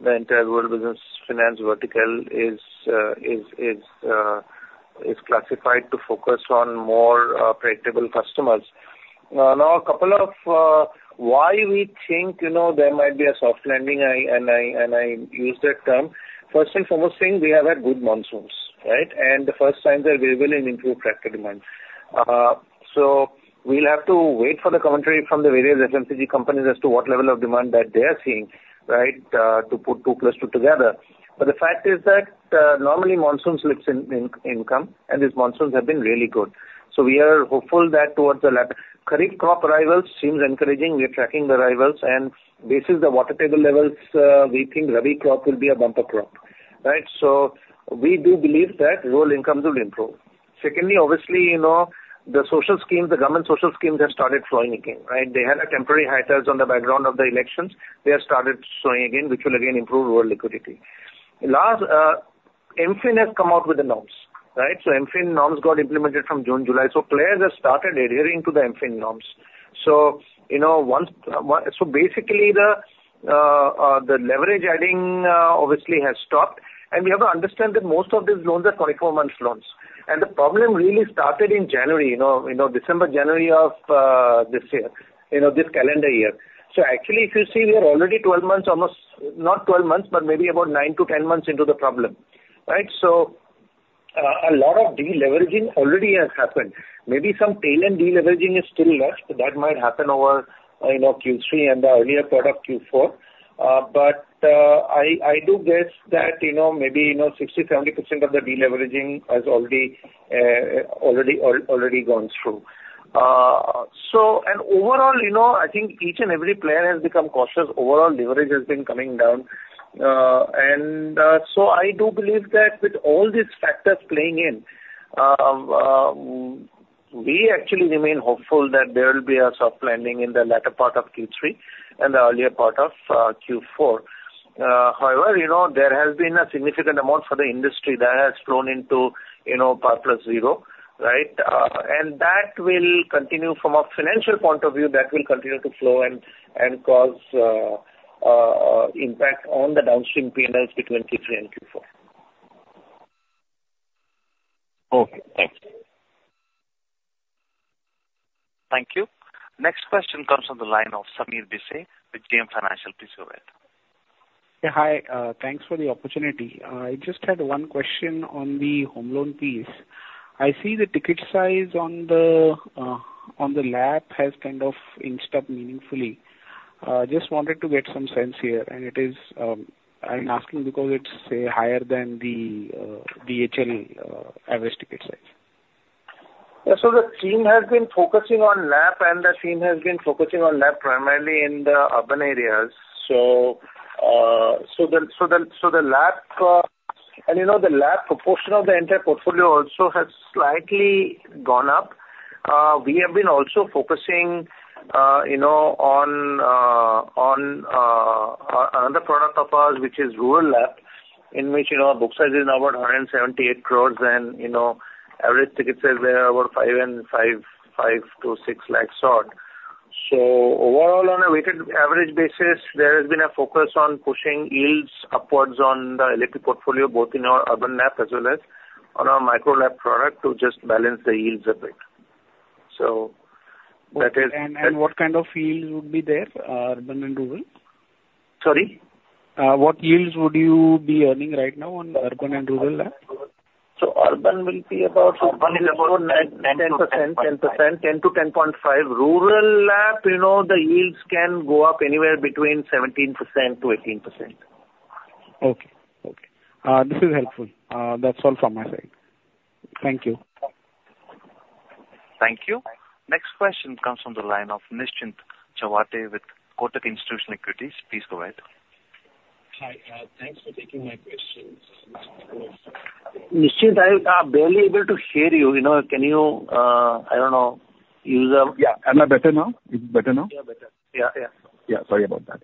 the entire Rural Business Finance vertical is classified to focus on more predictable customers. Now, a couple of why we think, you know, there might be a soft landing, and I use that term. First and foremost thing, we have had good monsoons, right? And the first signs are available in improved tractor demand. So we'll have to wait for the commentary from the various FMCG companies as to what level of demand that they are seeing, right, to put two plus two together. But the fact is that normally monsoons lifts income, and these monsoons have been really good. So we are hopeful that towards the latter... Kharif crop arrivals seems encouraging. We are tracking the arrivals and this is the water table levels, we think Rabi crop will be a bumper crop, right? So we do believe that rural incomes will improve. Secondly, obviously, you know, the social schemes, the government social schemes have started flowing again, right? They had a temporary hiatus on the background of the elections. They have started flowing again, which will again improve rural liquidity. Last, MFIN has come out with the norms, right? So MFIN norms got implemented from June, July. So players have started adhering to the MFIN norms. So, you know, once, so basically the, the leverage adding, obviously has stopped. And we have to understand that most of these loans are 24 months loans. The problem really started in January, you know, December, January of this year, you know, this calendar year. So actually, if you see, we are already 12 months, almost, not 12 months, but maybe about nine to 10 months into the problem, right? So a lot of deleveraging already has happened. Maybe some tail end deleveraging is still left. That might happen over, you know, Q3 and the earlier part of Q4. But I do guess that, you know, maybe 60%-70% of the deleveraging has already gone through. So and overall, you know, I think each and every player has become cautious. Overall leverage has been coming down. And so I do believe that with all these factors playing in... We actually remain hopeful that there will be a soft landing in the latter part of Q3 and the earlier part of Q4. However, you know, there has been a significant amount for the industry that has flown into, you know, portfolio at risk zero, right? And that will continue from a financial point of view, that will continue to flow and cause impact on the downstream PNLs between Q3 and Q4.
Okay, thanks.
Thank you. Next question comes from the line of Sameer Bhise with JM Financial Research.
Yeah, hi. Thanks for the opportunity. I just had one question on the home loan piece. I see the ticket size on the lap has kind of inched up meaningfully. Just wanted to get some sense here, and it is, I'm asking because it's, say, higher than the HLE average ticket size.
Yeah, so the team has been focusing on LAP, and the team has been focusing on LAP primarily in the urban areas. So, the LAP, and, you know, the LAP proportion of the entire portfolio also has slightly gone up. We have been also focusing, you know, on another product of ours, which is rural LAP, in which, you know, our book size is about 178 crore and, you know, average ticket size was over INR 5.5 lakh, 5 lakh-6 lakh odd. So overall, on a weighted average basis, there has been a focus on pushing yields upwards on the retail portfolio, both in our urban LAP as well as on our micro LAP product, to just balance the yields a bit. So that is-
What kind of yields would be there, urban and rural?
Sorry?
What yields would you be earning right now on urban and rural LAP?
So urban will be about 10%, 10%, 10%-10.5%. Rural lap, you know, the yields can go up anywhere between 17%-18%.
Okay. Okay, this is helpful. That's all from my side. Thank you.
Thank you. Next question comes from the line of Nischint Chawathe with Kotak Institutional Equities. Please go ahead.
Hi, thanks for taking my questions.
Nischint, I am barely able to hear you. You know, can you, I don't know, use a-
Yeah. Am I better now? Is it better now?
Yeah, better.
Yeah, yeah. Yeah, sorry about that.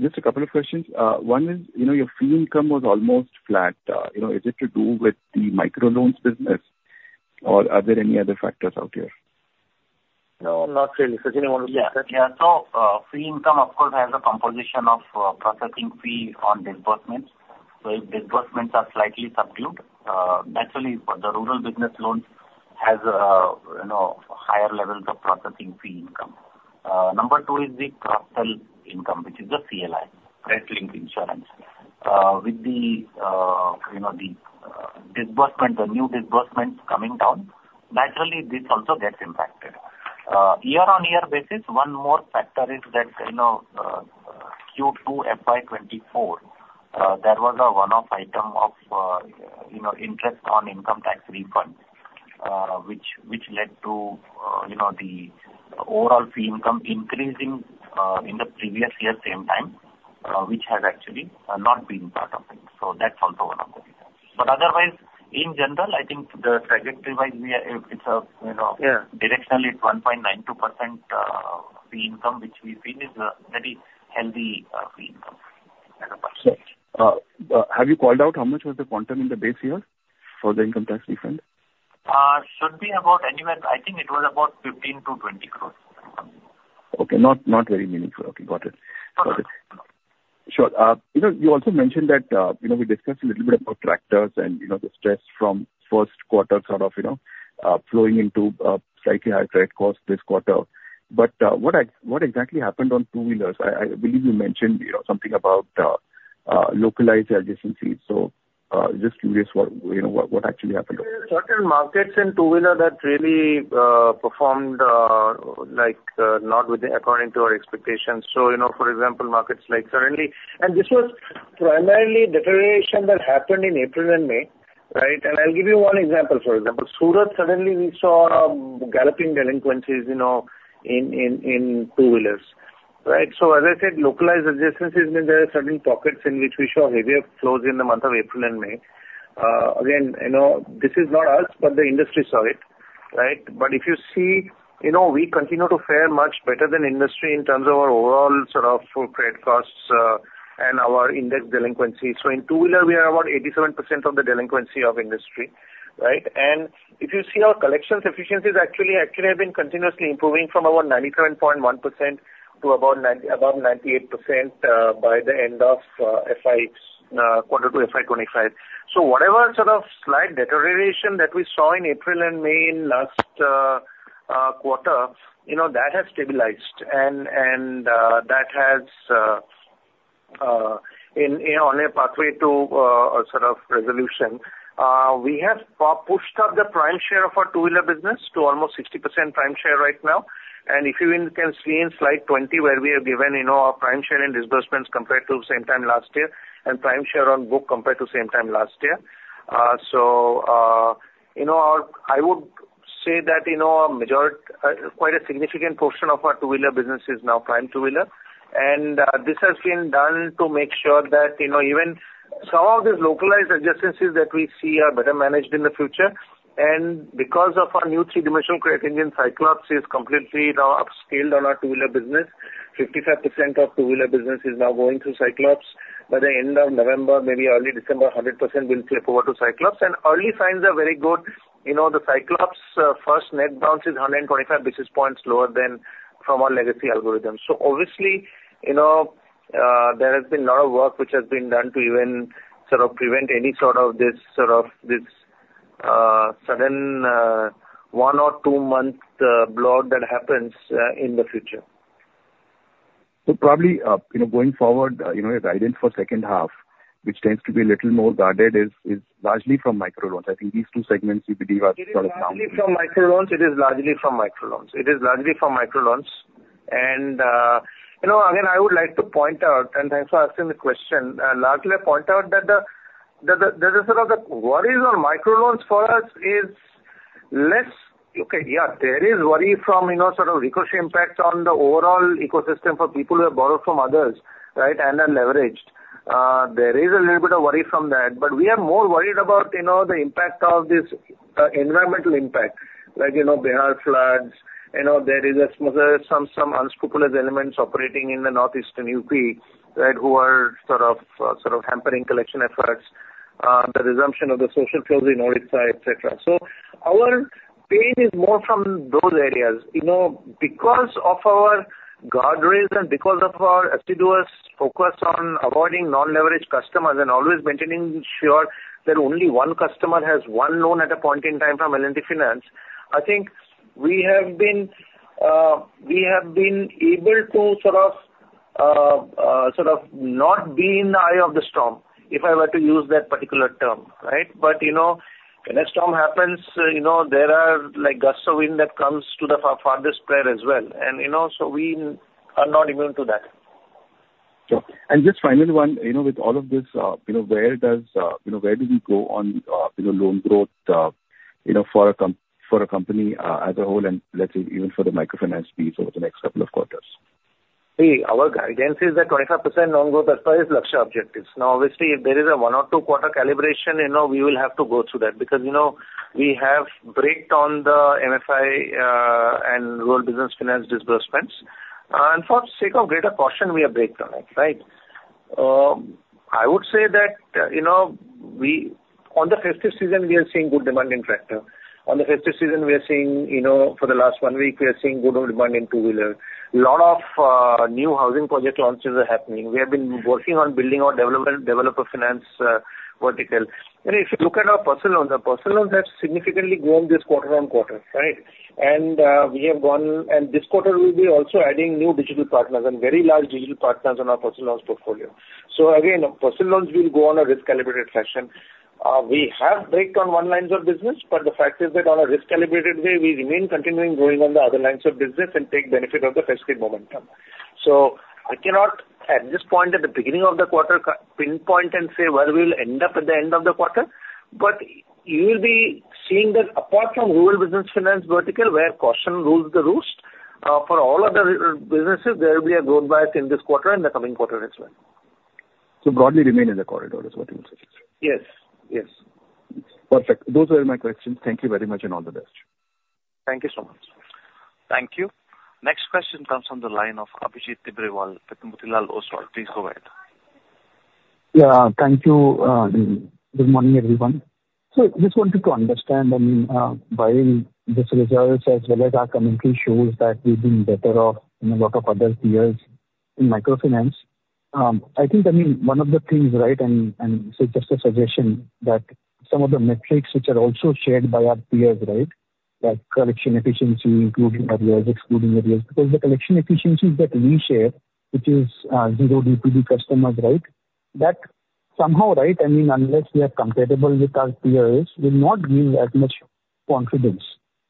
Just a couple of questions. One is, you know, your fee income was almost flat. You know, is it to do with the micro loans business, or are there any other factors out here?
No, not really. Sachinn, you want to look at that?
Yeah. Yeah. So, fee income, of course, has a composition of, processing fee on disbursements. So if disbursements are slightly subdued, naturally for the rural business loans has, you know, higher levels of processing fee income. Number two is the cross-sell income, which is the CLI, credit linked insurance. With the, you know, the disbursement, the new disbursements coming down, naturally, this also gets impacted. Year-on-year basis, one more factor is that, you know, Q2 FY 2024, there was a one-off item of, you know, interest on income tax refund, which led to, you know, the overall fee income increasing, in the previous year same time, which has actually, not been part of it. So that's also one of the reasons. But otherwise, in general, I think the trajectory-wise, we are, it's a, you know-
Yeah.
Directionally, it's 1.92%, fee income, which we feel is a very healthy, fee income as a percentage.
Have you called out how much was the quantum in the base year for the income tax refund?
Should be about anywhere, I think it was about 15 crore-20 crore.
Okay. Not very meaningful. Okay, got it. Got it.
Okay.
Sure. You know, you also mentioned that, you know, we discussed a little bit about tractors and, you know, the stress from first quarter sort of, you know, flowing into slightly higher credit costs this quarter. But what exactly happened on two-wheelers? I believe you mentioned, you know, something about localized adjacencies. So, just curious what, you know, what actually happened?
Certain markets in two-wheeler that really performed like not with according to our expectations. So, you know, for example, markets like. And this was primarily deterioration that happened in April and May, right? And I'll give you one example. For example, Surat, suddenly we saw galloping delinquencies, you know, in two-wheelers, right? So as I said, localized adjacencies mean there are certain pockets in which we saw heavier flows in the month of April and May. Again, you know, this is not us, but the industry saw it, right? But if you see, you know, we continue to fare much better than industry in terms of our overall sort of full credit costs and our index delinquency. So in two-wheeler, we are about 87% of the delinquency of industry, right? And if you see our collection efficiencies actually have been continuously improving from about 97.1% to above 98% by the end of Q4 FY 2025. So whatever sort of slight deterioration that we saw in April and May in last quarter, you know, that has stabilized and in you know on a pathway to a sort of resolution. We have pushed up the prime share of our two-wheeler business to almost 60% prime share right now. And if you even can see in slide 20, where we have given, you know, our prime share and disbursements compared to same time last year, and prime share on book compared to same time last year. So you know our... I would say that, you know, a majority, quite a significant portion of our two-wheeler business is now prime two-wheeler. And this has been done to make sure that, you know, some of these localized adjacencies that we see are better managed in the future. And because of our new three-dimensional credit engine, Cyclops is completely now upscaled on our two-wheeler business. 55% of two-wheeler business is now going through Cyclops. By the end of November, maybe early December, 100% will flip over to Cyclops, and early signs are very good. You know, the Cyclops first net bounce is 125 basis points lower than from our legacy algorithm. Obviously, you know, there has been a lot of work which has been done to even sort of prevent any sort of this sudden one or two month block that happens in the future.
Probably, you know, going forward, you know, your guidance for second half, which tends to be a little more guarded, is largely from microloans. I think these two segments we believe are sort of-
It is largely from microloans. You know, again, I would like to point out, and thanks for asking the question, largely I point out that the sort of the worries on microloans for us is less. Okay, yeah, there is worry from, you know, sort of recourse impacts on the overall ecosystem for people who have borrowed from others, right? And are leveraged. There is a little bit of worry from that, but we are more worried about, you know, the impact of this environmental impact, like, you know, Bihar floods. You know, there is some unscrupulous elements operating in the northeastern UP, right, who are sort of hampering collection efforts, the resumption of the social schemes Odisha, et cetera. So our pain is more from those areas. You know, because of our guardrails and because of our assiduous focus on avoiding non-leveraged customers and always making sure that only one customer has one loan at a point in time from L&T Finance, I think we have been able to sort of not be in the eye of the storm, if I were to use that particular term, right? But, you know, when a storm happens, you know, there are, like, gusts of wind that come to the far, farthest periphery as well, and, you know, so we are not immune to that.
Sure. And just finally, one, you know, with all of this, you know, where does, you know, where do we go on, you know, loan growth, you know, for a company, as a whole and let's say even for the microfinance piece over the next couple of quarters?
See, our guidance is that 25% loan growth as per our Lakshya objectives. Now, obviously, if there is a one or two quarter calibration, you know, we will have to go through that, because, you know, we have braked on the MFI and Rural Business Finance disbursements. And for sake of greater caution, we have braked on it, right? I would say that, you know, on the festive season, we are seeing good demand in tractor. On the festive season, we are seeing, you know, for the last one week, we are seeing good old demand in two-wheeler. Lot of new housing project launches are happening. We have been working on building our development, developer finance vertical. And if you look at our personal loans, our personal loans have significantly grown this quarter-on-quarter, right? And, we have gone and this quarter we'll be also adding new digital partners and very large digital partners on our personal loans portfolio. So again, personal loans will go on a risk-calibrated fashion. We have braked on one lines of business, but the fact is that on a risk-calibrated way, we remain continuing growing on the other lines of business and take benefit of the festive momentum. So I cannot, at this point, at the beginning of the quarter, pinpoint and say where we will end up at the end of the quarter, but you will be seeing that apart from Rural Business Finance vertical, where caution rules the roost, for all other businesses, there will be a growth bias in this quarter and the coming quarter as well.
So, broadly, remain in the corridor is what you would say?
Yes. Yes.
Perfect. Those were my questions. Thank you very much, and all the best.
Thank you so much.
Thank you. Next question comes from the line of Abhijit Tibrewal with Motilal Oswal. Please go ahead.
Yeah, thank you. Good morning, everyone. So just wanted to understand, I mean, while this results as well as our commentary shows that we've been better off than a lot of other peers in microfinance, I think, I mean, one of the things, right, and so just a suggestion that some of the metrics which are also shared by our peers, right? Like collection efficiency, including arrears, excluding arrears, because the collection efficiencies that we share, which is zero DPD customers, right? That somehow, right, I mean, unless we are comparable with our peers, will not give that much confidence.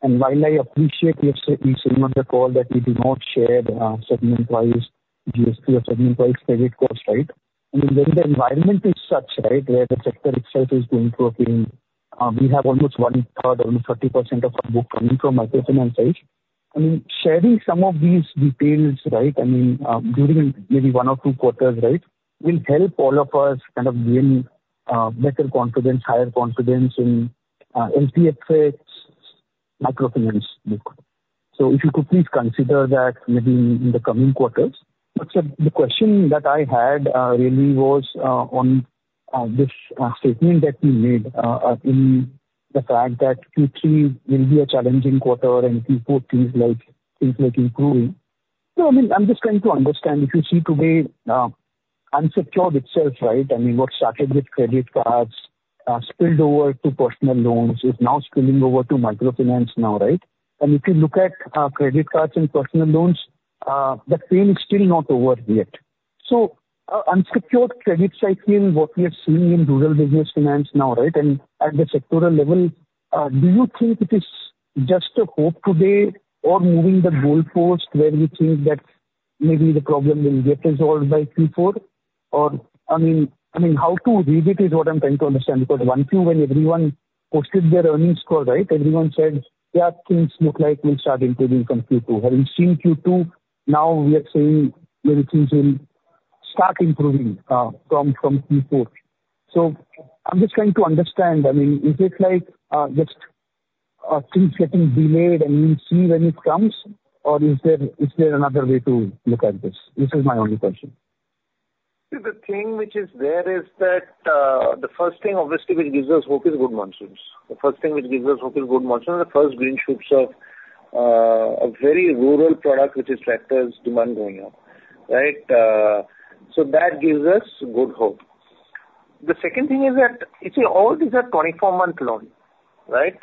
And while I appreciate you have said in some of the call that we do not share the certain management's GS3 or certain management's credit costs, right? I mean, when the environment is such, right, where the sector itself is going through a phase, we have almost 1/3, almost 30% of our book coming from microfinance side. I mean, sharing some of these details, right, I mean, during maybe one or two quarters, right? Will help all of us kind of gain better confidence, higher confidence in L&T's microfinance book. So if you could please consider that maybe in the coming quarters. But, sir, the question that I had really was on this statement that we made in the fact that Q3 will be a challenging quarter and Q4 things like improving. So, I mean, I'm just trying to understand, if you see today, unsecured itself, right? I mean, what started with credit cards, spilled over to personal loans, is now spilling over to microfinance now, right? And if you look at, credit cards and personal loans, the pain is still not over yet. So, unsecured credit cycling, what we are seeing in Rural Business Finance now, right? And at the sectoral level, do you think it is just a hope today or moving the goal post where we think that maybe the problem will get resolved by Q4? Or, I mean, how to read it is what I'm trying to understand, because once you, when everyone posted their earnings call, right? Everyone says, yeah, things look like will start improving from Q2. Having seen Q2, now we are saying maybe things will start improving, from Q4. So I'm just trying to understand, I mean, is it like just things getting delayed and we'll see when it comes, or is there another way to look at this? This is my only question.
See, the thing which is there is that, the first thing obviously which gives us hope is good monsoons. The first thing which gives us hope is good monsoons, and the first green shoots of, a very rural product, which is tractors demand going up, right? So that gives us good hope. The second thing is that, you see, all these are 24 months loan, right?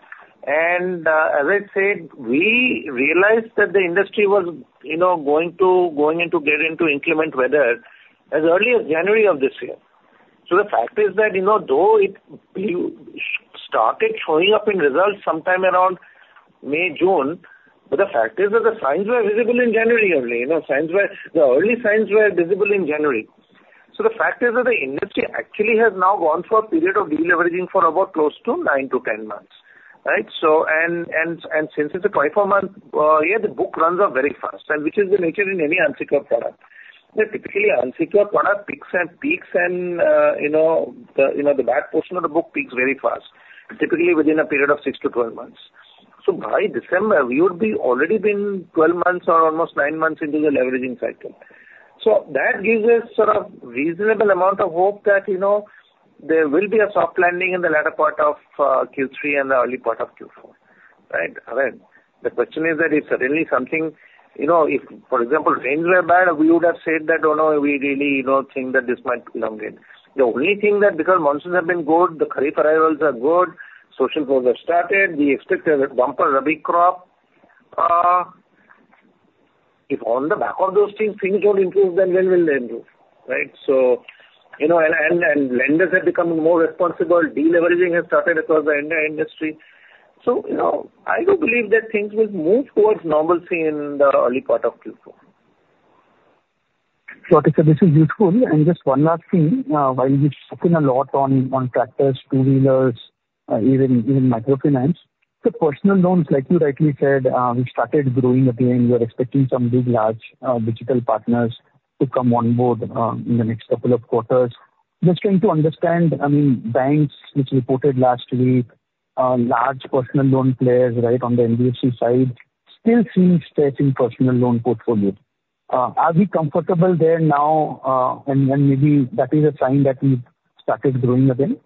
And, as I said, we realized that the industry was, you know, going to get into inclement weather as early as January of this year. So the fact is that, you know, though it started showing up in results sometime around May, June, but the fact is that the signs were visible in January only. You know, signs were... The early signs were visible in January. So the fact is that the industry actually has now gone for a period of deleveraging for about close to nine to 10 months, right? So, and since it's a 24-month year, the book runs off very fast, and which is the nature in any unsecured product. Yeah, typically, unsecured product peaks and peaks, you know, the back portion of the book peaks very fast, typically within a period of six to 12 months. So by December, we would be already been 12 months or almost nine months into the leveraging cycle. So that gives us sort of reasonable amount of hope that, you know, there will be a soft landing in the latter part of Q3 and the early part of Q4, right? I mean, the question is that is certainly something, you know, if, for example, rains were bad, we would have said that, "Oh, no, we really don't think that this might elongate." The only thing that because monsoons have been good, the kharif arrivals are good, social flows have started, we expect a bumper Rabi crop. If on the back of those things, things don't improve, then when will they improve, right? So, you know, and lenders are becoming more responsible. Deleveraging has started across the entire industry. So, you know, I do believe that things will move towards normalcy in the early part of Q4.
Got it, sir. This is useful and just one last thing, while we've spoken a lot on tractors, two-wheelers, even microfinance, so personal loans, like you rightly said, which started growing again, we are expecting some big, large, digital partners to come on board, in the next couple of quarters. Just trying to understand, I mean, banks, which reported last week, large personal loan players, right, on the NBFC side, still seem stretched in personal loan portfolios. Are we comfortable there now, and maybe that is a sign that we've started growing again?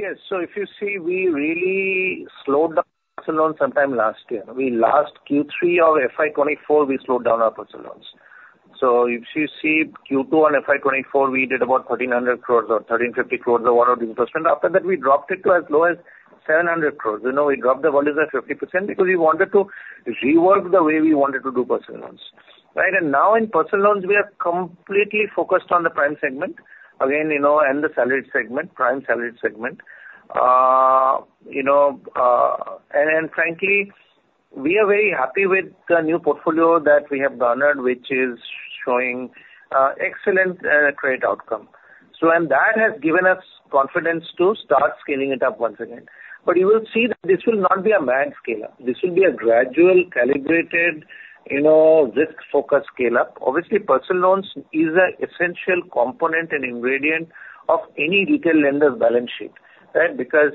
Yes. So if you see, we really slowed down personal loans sometime last year. We last Q3 of FY 2024, we slowed down our personal loans. So if you see Q2 on FY 2024, we did about 1,300 crore or 1,350 crore or one of these. After that, we dropped it to as low as 700 crore. You know, we dropped the volumes by 50% because we wanted to rework the way we wanted to do personal loans, right? And now in personal loans, we are completely focused on the prime segment again, you know, and the salaried segment, prime salaried segment. You know, and frankly, we are very happy with the new portfolio that we have garnered, which is showing excellent credit outcome. So and that has given us confidence to start scaling it up once again. But you will see that this will not be a mad scale-up. This will be a gradual, calibrated, you know, risk-focused scale-up. Obviously, personal loans is an essential component and ingredient of any retail lender's balance sheet, right? Because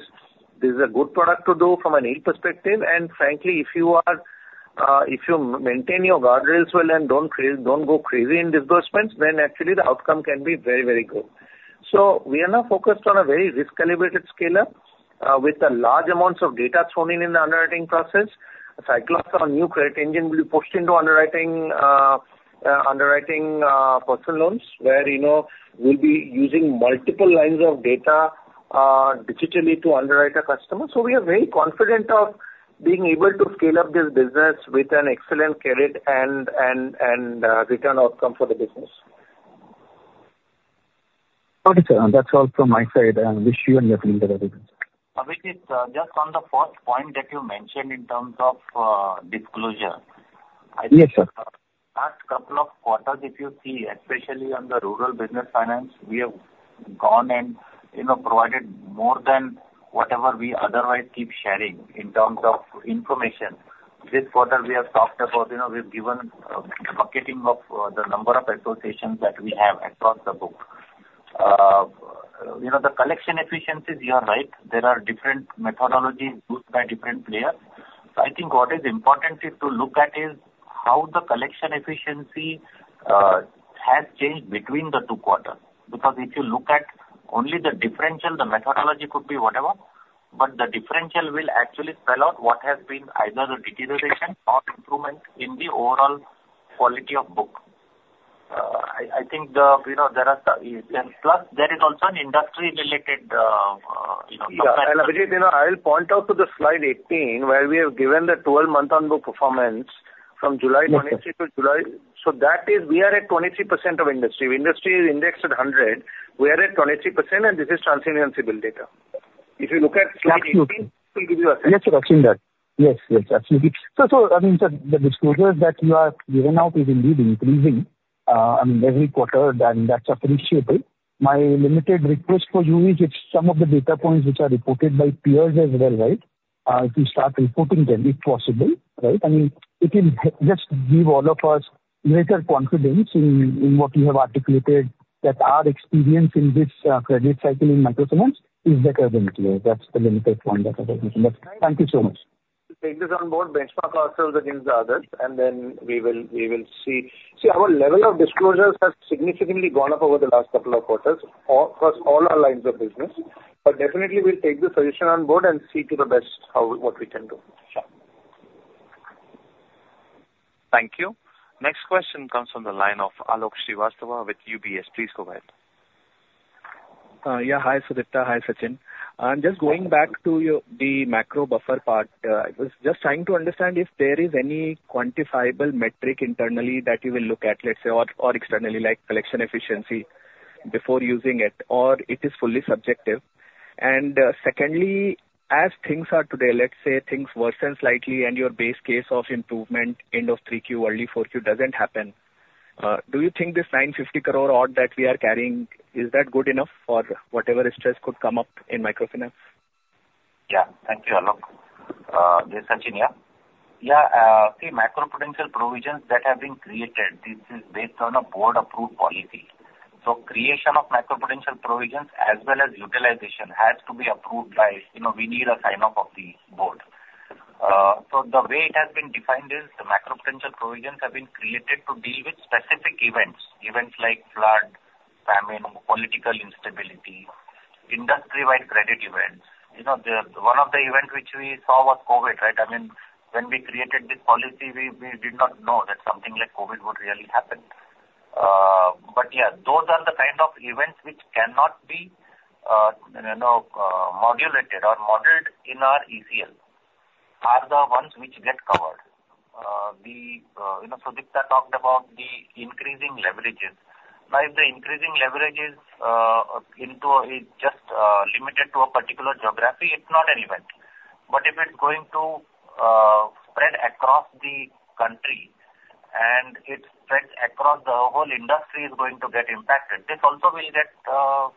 this is a good product to do from a need perspective. And frankly, if you are, if you maintain your guardrails well and don't go crazy in disbursements, then actually the outcome can be very, very good. So we are now focused on a very risk-calibrated scale-up, with the large amounts of data thrown in, in the underwriting process. Cyclops, our new credit engine, will be pushed into underwriting personal loans, where, you know, we'll be using multiple lines of data, digitally to underwrite a customer. So we are very confident of being able to scale up this business with an excellent credit and return outcome for the business.
Got it, sir. That's all from my side, and wish you and your team the very best.
Abhijit, just on the first point that you mentioned in terms of disclosure.
Yes, sir.
Last couple of quarters, if you see, especially on the Rural Business Finance, we have gone and, you know, provided more than whatever we otherwise keep sharing in terms of information. This quarter, we have talked about, you know, we've given a bucketing of the number of associations that we have across the book. You know, the collection efficiencies, you are right. There are different methodologies used by different players. So I think what is important is to look at is how the collection efficiency has changed between the two quarters. Because if you look at only the differential, the methodology could be whatever, but the differential will actually spell out what has been either the deterioration or improvement in the overall quality of book. I think the, you know, there are some... And plus, there is also an industry related, you know, in fact-
Yeah, and Abhijit, you know, I'll point out to the slide 18, where we have given the 12-month on book performance from July 2023 to July-
Yes, sir.
So that is, we are at 23% of industry. If industry is indexed at 100, we are at 23%, and this is TransUnion CIBIL data. If you look at slide 18-
Absolutely.
It will give you a sense.
Yes, sir, I've seen that. Yes, yes, absolutely. So, I mean, sir, the disclosures that you have given out is indeed increasing. ... and every quarter, then that's appreciable. My limited request for you is if some of the data points which are reported by peers as well, right? If you start reporting them, if possible, right? I mean, it will just give all of us greater confidence in what you have articulated, that our experience in this credit cycle in microfinance is better than peers. That's the limited point that I was making. Thank you so much.
We take this on board, benchmark ourselves against the others, and then we will see. See, our level of disclosures has significantly gone up over the last couple of quarters, across all our lines of business. But definitely we'll take the solution on board and see to the best how what we can do.
Sure.
Thank you. Next question comes from the line of Alok Srivastava with UBS. Please go ahead.
Yeah. Hi, Sudipta, hi, Sachinn. I'm just going back to your, the macro buffer part. I was just trying to understand if there is any quantifiable metric internally that you will look at, let's say, or externally, like collection efficiency before using it, or it is fully subjective? And, secondly, as things are today, let's say things worsen slightly and your base case of improvement end of 3Q, early 4Q doesn't happen, do you think this 950 crore odd that we are carrying, is that good enough for whatever stress could come up in microfinance?
Yeah. Thank you, Alok. Yes, Sachinn, yeah.
Yeah, the macroprudential provisions that have been created, this is based on a board-approved policy. So creation of macroprudential provisions as well as utilization has to be approved by, you know, we need a sign-off of the board. So the way it has been defined is, the macroprudential provisions have been created to deal with specific events, events like flood, famine, political instability, industry-wide credit events. You know, the, one of the events which we saw was COVID, right? I mean, when we created this policy, we, we did not know that something like COVID would really happen. But yeah, those are the kind of events which cannot be, you know, modulated or modeled in our ECL, are the ones which get covered. You know, Sudipta talked about the increasing leverages. Now, if the increasing leverage is just limited to a particular geography, it's not relevant. But if it's going to spread across the country and it spreads across the whole industry, it's going to get impacted. This also will,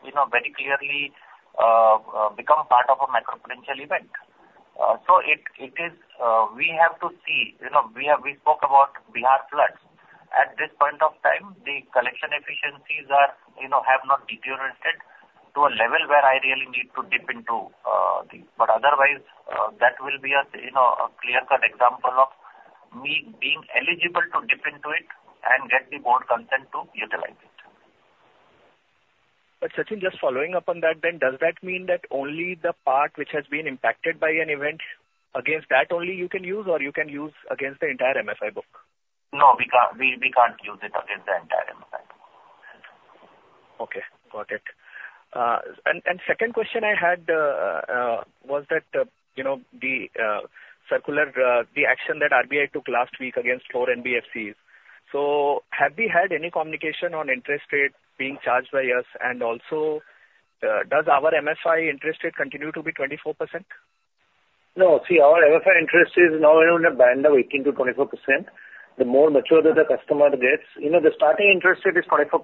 you know, very clearly become part of a macroprudential event. So, it is. We have to see. You know, we have spoken about Bihar floods. At this point of time, the collection efficiencies, you know, have not deteriorated to a level where I really need to dip into the... but otherwise, that will be a, you know, a clear-cut example of me being eligible to dip into it and get the board consent to utilize it.
But Sachinn, just following up on that then, does that mean that only the part which has been impacted by an event, against that only you can use, or you can use against the entire MFI book?
No, we can't use it against the entire MFI book.
Okay, got it, and second question I had was that, you know, the circular, the action that RBI took last week against four NBFCs. So have we had any communication on interest rates being charged by us? And also, does our MFI interest rate continue to be 24%?
No. See, our MFI interest is now in a band of 18%-24%. The more mature that the customer gets, you know, the starting interest rate is 24%,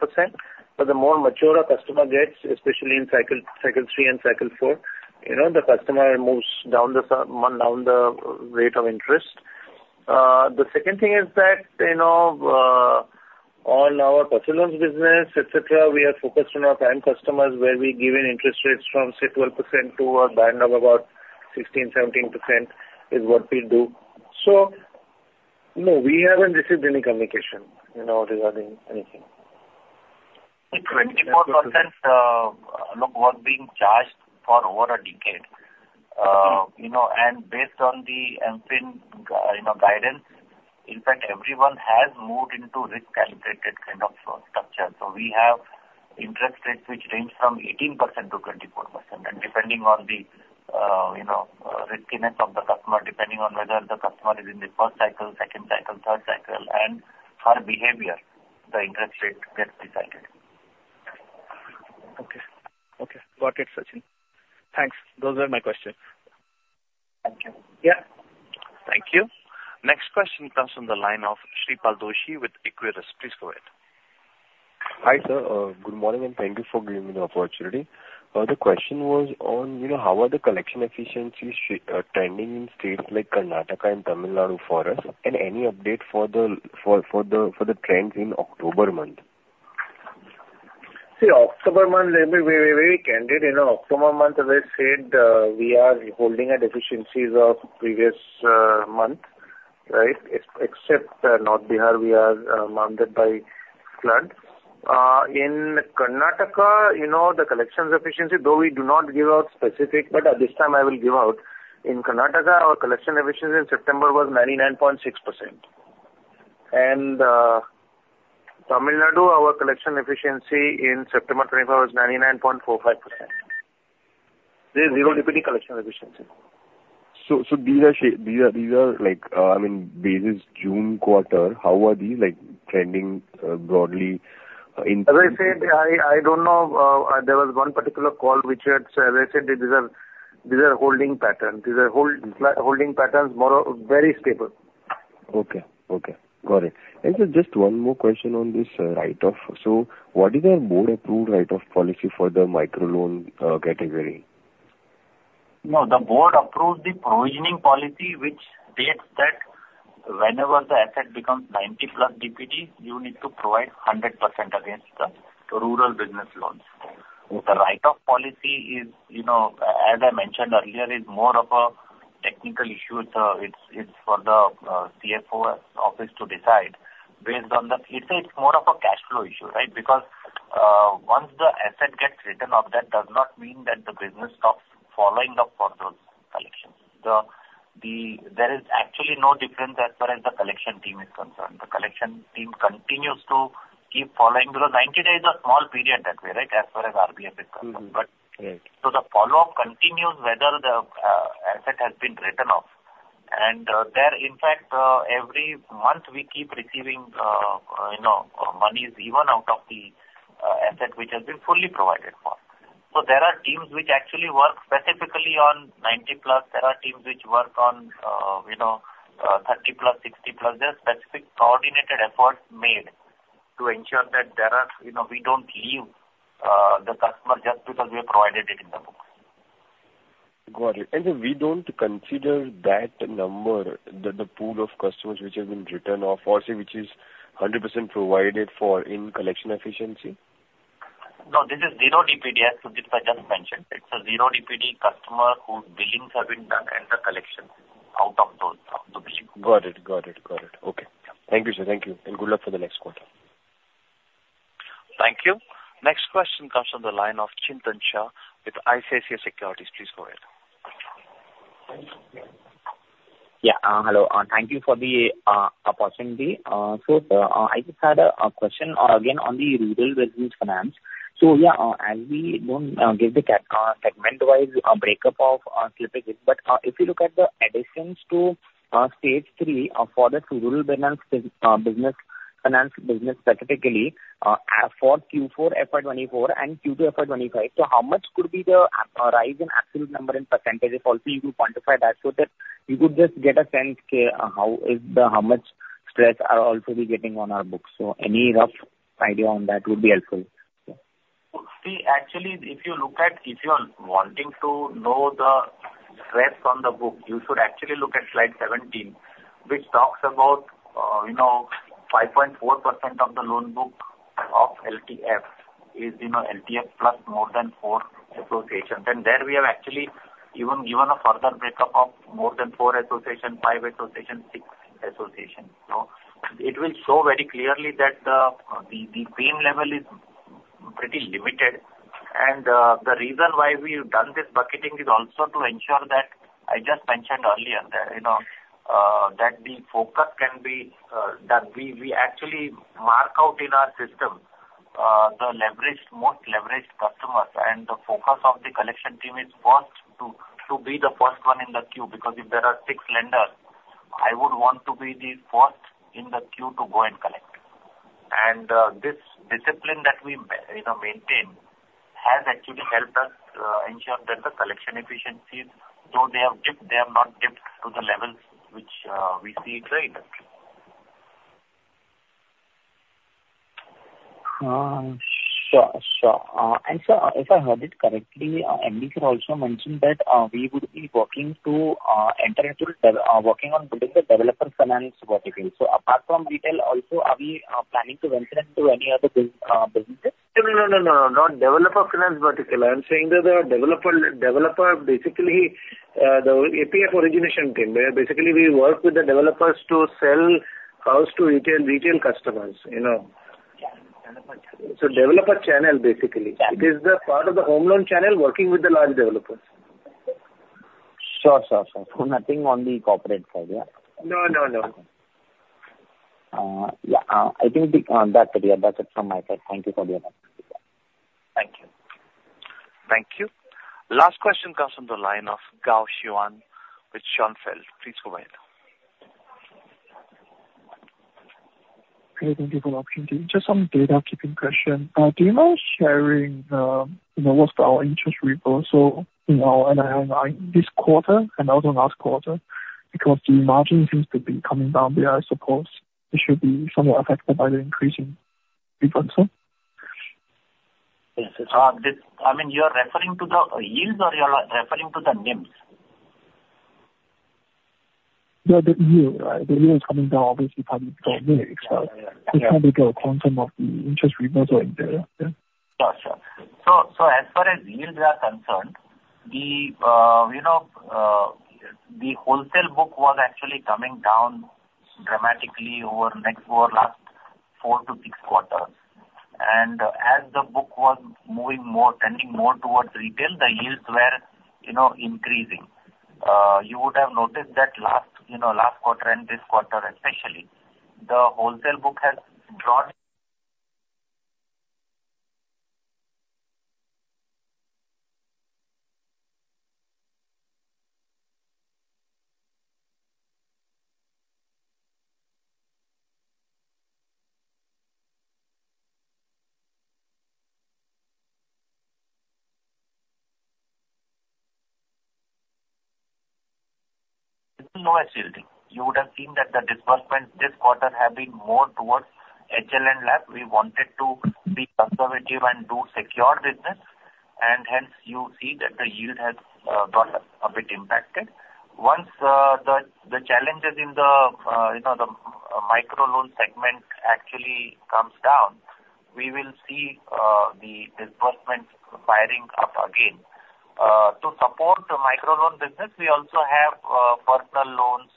but the more mature a customer gets, especially in cycle three and cycle four, you know, the customer moves down the rate of interest. The second thing is that, you know, on our personal loans business, et cetera, we are focused on our prime customers, where we give in interest rates from, say, 12% to a band of about 16%-17% is what we do. So no, we haven't received any communication, you know, regarding anything.
The 24%, Alok, was being charged for over a decade. You know, and based on the RBI, you know, guidance, in fact, everyone has moved into risk-calibrated kind of structure. So we have interest rates which range from 18%-24%, and depending on the, you know, riskiness of the customer, depending on whether the customer is in the first cycle, second cycle, third cycle, and her behavior, the interest rate gets decided.
Okay. Okay, got it, Sachinn. Thanks. Those are my questions.
Thank you.
Yeah. Thank you. Next question comes from the line of Shripal Doshi with Equirus. Please go ahead.
Hi, sir. Good morning, and thank you for giving me the opportunity. The question was on, you know, how are the collection efficiencies trending in states like Karnataka and Tamil Nadu for us, and any update for the trends in October month?
See, October month, I mean, we candidly, in October month, we said we are holding at efficiencies of previous month, right? Except North Bihar, we are impacted by flood. In Karnataka, you know, the collection efficiency, though we do not give out specifics, but at this time I will give out. In Karnataka, our collection efficiency in September was 99.6%. And Tamil Nadu, our collection efficiency in September 2024 was 99.45%. There is zero dependency collection efficiency.
These are like, I mean, this is June quarter. How are these like trending broadly?...
As I said, I don't know, there was one particular call which had said, they said these are holding patterns. These are holding patterns, more very stable.
Okay. Okay, got it. And so just one more question on this write-off. So what is the board approved write-off policy for the microloan category?
No, the board approved the provisioning policy, which states that whenever the asset becomes 90+ DPD, you need to provide 100% against the rural business loans. The write-off policy is, you know, as I mentioned earlier, more of a technical issue. It's for the CFO office to decide based on the... It's more of a cash flow issue, right? Because once the asset gets written off, that does not mean that the business stops following up for those collections. There is actually no difference as far as the collection team is concerned. The collection team continues to keep following, because 90 days is a small period that way, right? As far as RBF is concerned.
Mm-hmm. Right.
So the follow-up continues whether the asset has been written off, and there in fact every month we keep receiving, you know, monies even out of the asset which has been fully provided for. So there are teams which actually work specifically on 90+. There are teams which work on, you know, 30+, 60+. There are specific coordinated efforts made to ensure that there are, you know, we don't leave the customer just because we have provided it in the books.
Got it. And we don't consider that number, the pool of customers which has been written off or say, which is 100% provided for in collection efficiency?
No, this is zero DPD, as Sudipta just mentioned. It's a zero DPD customer whose billings have been done and the collections out of those, of the billing.
Got it. Got it. Got it. Okay. Thank you, sir. Thank you, and good luck for the next quarter.
Thank you. Next question comes from the line of Chintan Shah with ICICI Securities. Please go ahead.
Yeah, hello. Thank you for the opportunity. So, I just had a question again on the Rural Business Finance. So, yeah, as we don't give the segment-wise breakup of slippage, but if you look at the additions to stage three for the Rural Business Finance business specifically, as for Q4 FY 2024 and Q2 FY 2025, so how much could be the approximate rise in absolute number and percentage if also you could quantify that so that we could just get a sense, okay, how is the, how much stress are also we getting on our books? So any rough idea on that would be helpful.
See, actually, if you look at, if you're wanting to know the stress on the book, you should actually look at slide 17, which talks about, you know, 5.4% of the loan book of LTF is, you know, LTF plus more than four DPDs. Then there we have actually even given a further breakup of more than four DPDs, five DPDs, six DPDs. So it will show very clearly that the same level is pretty limited. The reason why we've done this bucketing is also to ensure that, as I just mentioned earlier, you know, that the focus can be that we actually mark out in our system the most leveraged customers, and the focus of the collection team is first to be the first one in the queue, because if there are six lenders, I would want to be the first in the queue to go and collect. This discipline that we, you know, maintain has actually helped us ensure that the collection efficiencies, though they have dipped, have not dipped to the levels which we see in the industry.
Sure. Sure. And sir, if I heard it correctly, MD sir also mentioned that we would be working on building the developer finance vertical. So apart from retail, also, are we planning to venture into any other businesses?
No, no, no, no, not developer finance vertical. I'm saying that the developer, basically, the APF origination team, where basically we work with the developers to sell house to retail customers, you know.
Developer channel.
So developer channel, basically.
Yeah.
It is the part of the home loan channel working with the large developers.
Sure, sure, sure. So nothing on the corporate side, yeah?
No, no, no.
Yeah, I think that's it. Yeah, that's it from my side. Thank you for the opportunity.
Thank you.
Thank you. Last question comes from the line of Gao Zhixuan with Schonfeld. Please go ahead.
Hey, thank you for the opportunity. Just some data keeping question. Do you mind sharing, you know, what's our interest reversal, you know, and this quarter and also last quarter? Because the margin seems to be coming down there. I suppose it should be somewhat affected by the increasing difference, so.
Yes, so this... I mean, you are referring to the yields or you are referring to the NIMs?
The yield is coming down, obviously, because of the rates. Yeah. Just wanted to confirm if the interest reversal in there, yeah?
Sure, sure. So, so as far as yields are concerned, the, you know, the wholesale book was actually coming down dramatically over last four to six quarters. And as the book was moving more, trending more towards retail, the yields were, you know, increasing. You would have noticed that last, you know, last quarter and this quarter especially, the wholesale book has dropped-... No activity. You would have seen that the disbursement this quarter have been more towards HL and LAP. We wanted to be conservative and do secure business, and hence you see that the yield has got a bit impacted. Once the challenges in the you know the microloan segment actually comes down, we will see the disbursements firing up again. To support the microloan business, we also have personal loans,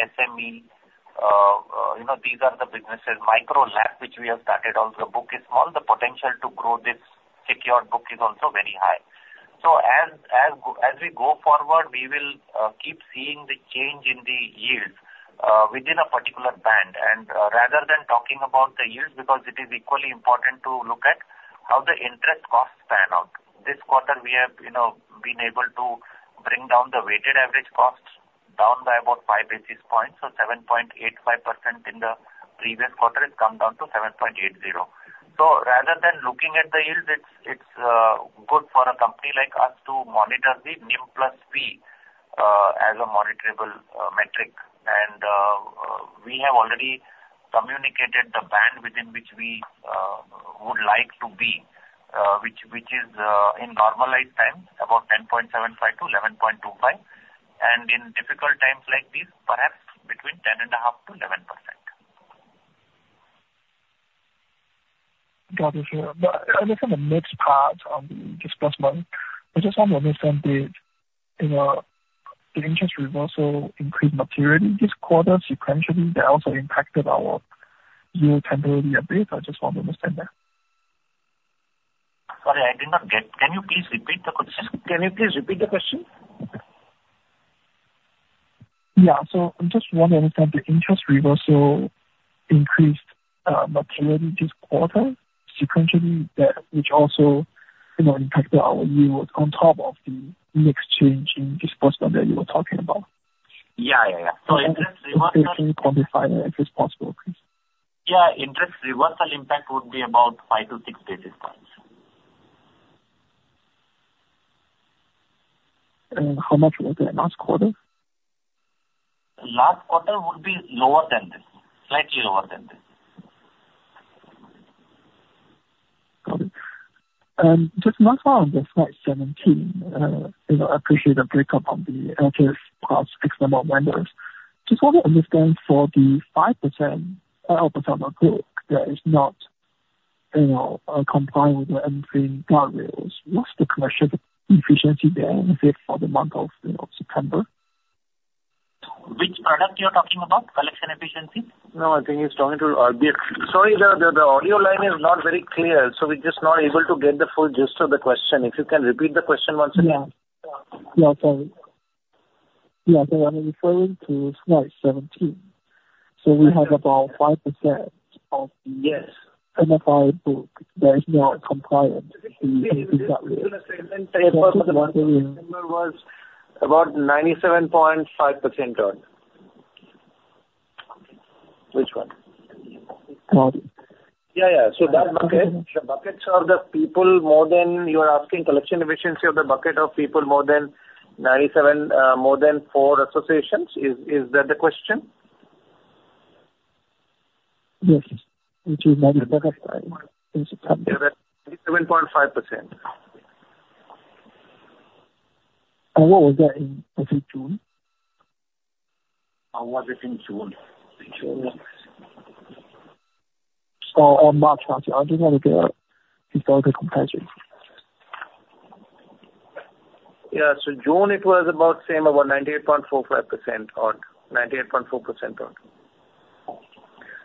SME, you know, these are the businesses. Micro LAP, which we have started also, book is small. The potential to grow this secured book is also very high. So as we go forward, we will keep seeing the change in the yield within a particular band, and rather than talking about the yields, because it is equally important to look at how the interest costs pan out. This quarter we have, you know, been able to bring down the weighted average costs by about five basis points, so 7.85% in the previous quarter, it's come down to 7.80%. So rather than looking at the yields, it's good for a company like us to monitor the NIM plus fee as a monetizable metric. We have already communicated the band within which we would like to be, which is in normalized times about 10.75%-11.25%, and in difficult times like this, perhaps between 10.5%-11%.
Got it. But I guess on the next part, on the disbursement, I just want to understand the, you know, the interest reversal increased materially this quarter sequentially, that also impacted our yield temporarily a bit. I just want to understand that.
Sorry, I did not get. Can you please repeat the question? Can you please repeat the question?
Yeah. So I just want to understand, the interest reversal increased materially this quarter, sequentially, that which also, you know, impacted our yield on top of the mix change in disbursement that you were talking about.
Yeah, yeah, yeah. So interest reversal-
Can you quantify that if it's possible, please?
Yeah, interest reversal impact would be about five to six basis points.
How much was it last quarter?
Last quarter would be lower than this, slightly lower than this.
Got it. Just one more on the slide 17. You know, I appreciate the breakdown on the external benchmarks. Just want to understand for the 5% of the SME book that is not, you know, complying with the underwriting guardrails, what's the collection efficiency there for the month of September?
Which product you're talking about? Collection efficiency?
No, I think he's talking to, Sorry, the audio line is not very clear, so we're just not able to get the full gist of the question. If you can repeat the question once again?
Sorry. So I'm referring to slide 17. So we have about 5% of the-
Yes.
MFI book that is not compliant in the-
Was about 97.5% odd. Which one?
Okay.
Yeah, yeah. So that bucket, the buckets are the people more than... You are asking collection efficiency of the bucket of people more than 97, more than four DPD. Is that the question?
Yes. Which is 97.5%.
7.5%.
What was that in, I think, June?
Was it in June? In June, yes.
March. I just want to get compare the comparison.
Yeah. So June it was about same, about 98.45%, or 98.4% odd.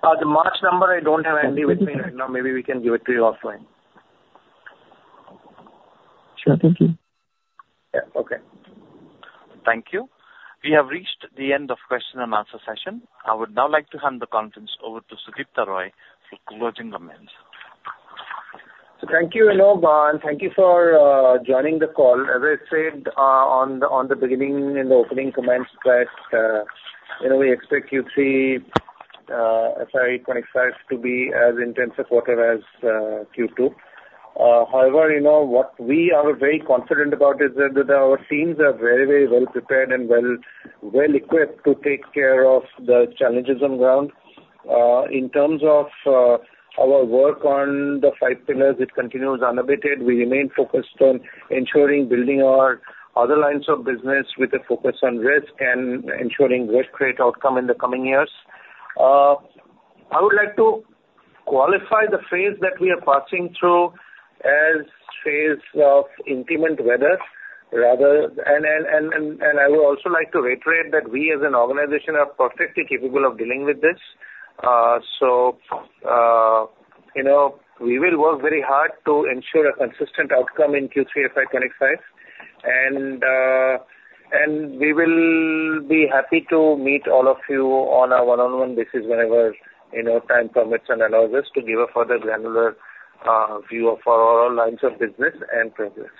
The March number, I don't have handy with me right now. Maybe we can give it to you offline.
Sure. Thank you.
Yeah. Okay.
Thank you. We have reached the end of question and answer session. I would now like to hand the conference over to Sudipta Roy for closing comments.
So thank you, you know, and thank you for joining the call. As I said, on the, on the beginning in the opening comments, that, you know, we expect Q3, FY 2025 to be as intense a quarter as, Q2. However, you know, what we are very confident about is that, that our teams are very, very well prepared and well, well equipped to take care of the challenges on ground. In terms of, our work on the five pillars, it continues unabated. We remain focused on ensuring building our other lines of business with a focus on risk and ensuring great, great outcome in the coming years. I would like to qualify the phase that we are passing through as phase of inclement weather, rather... I would also like to reiterate that we as an organization are perfectly capable of dealing with this. You know, we will work very hard to ensure a consistent outcome in Q3 FY 2025. We will be happy to meet all of you on a one-on-one basis whenever, you know, time permits and allows us to give a further granular view of our lines of business and progress.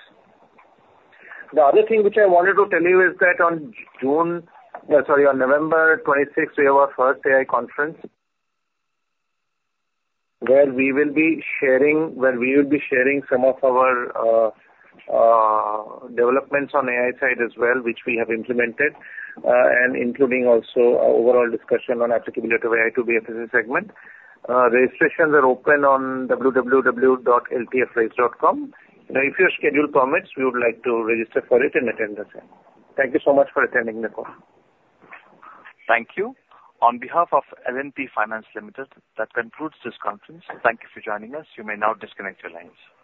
The other thing which I wanted to tell you is that on November 26th, we have our first AI conference, where we will be sharing some of our developments on AI side as well, which we have implemented, and including also our overall discussion on applicability of AI to BFSI segment. Registrations are open on www.ltfraise.com. Now, if your schedule permits, we would like to register for it and attend the same. Thank you so much for attending the call.
Thank you. On behalf of L&T Finance Limited, that concludes this conference. Thank you for joining us. You may now disconnect your lines.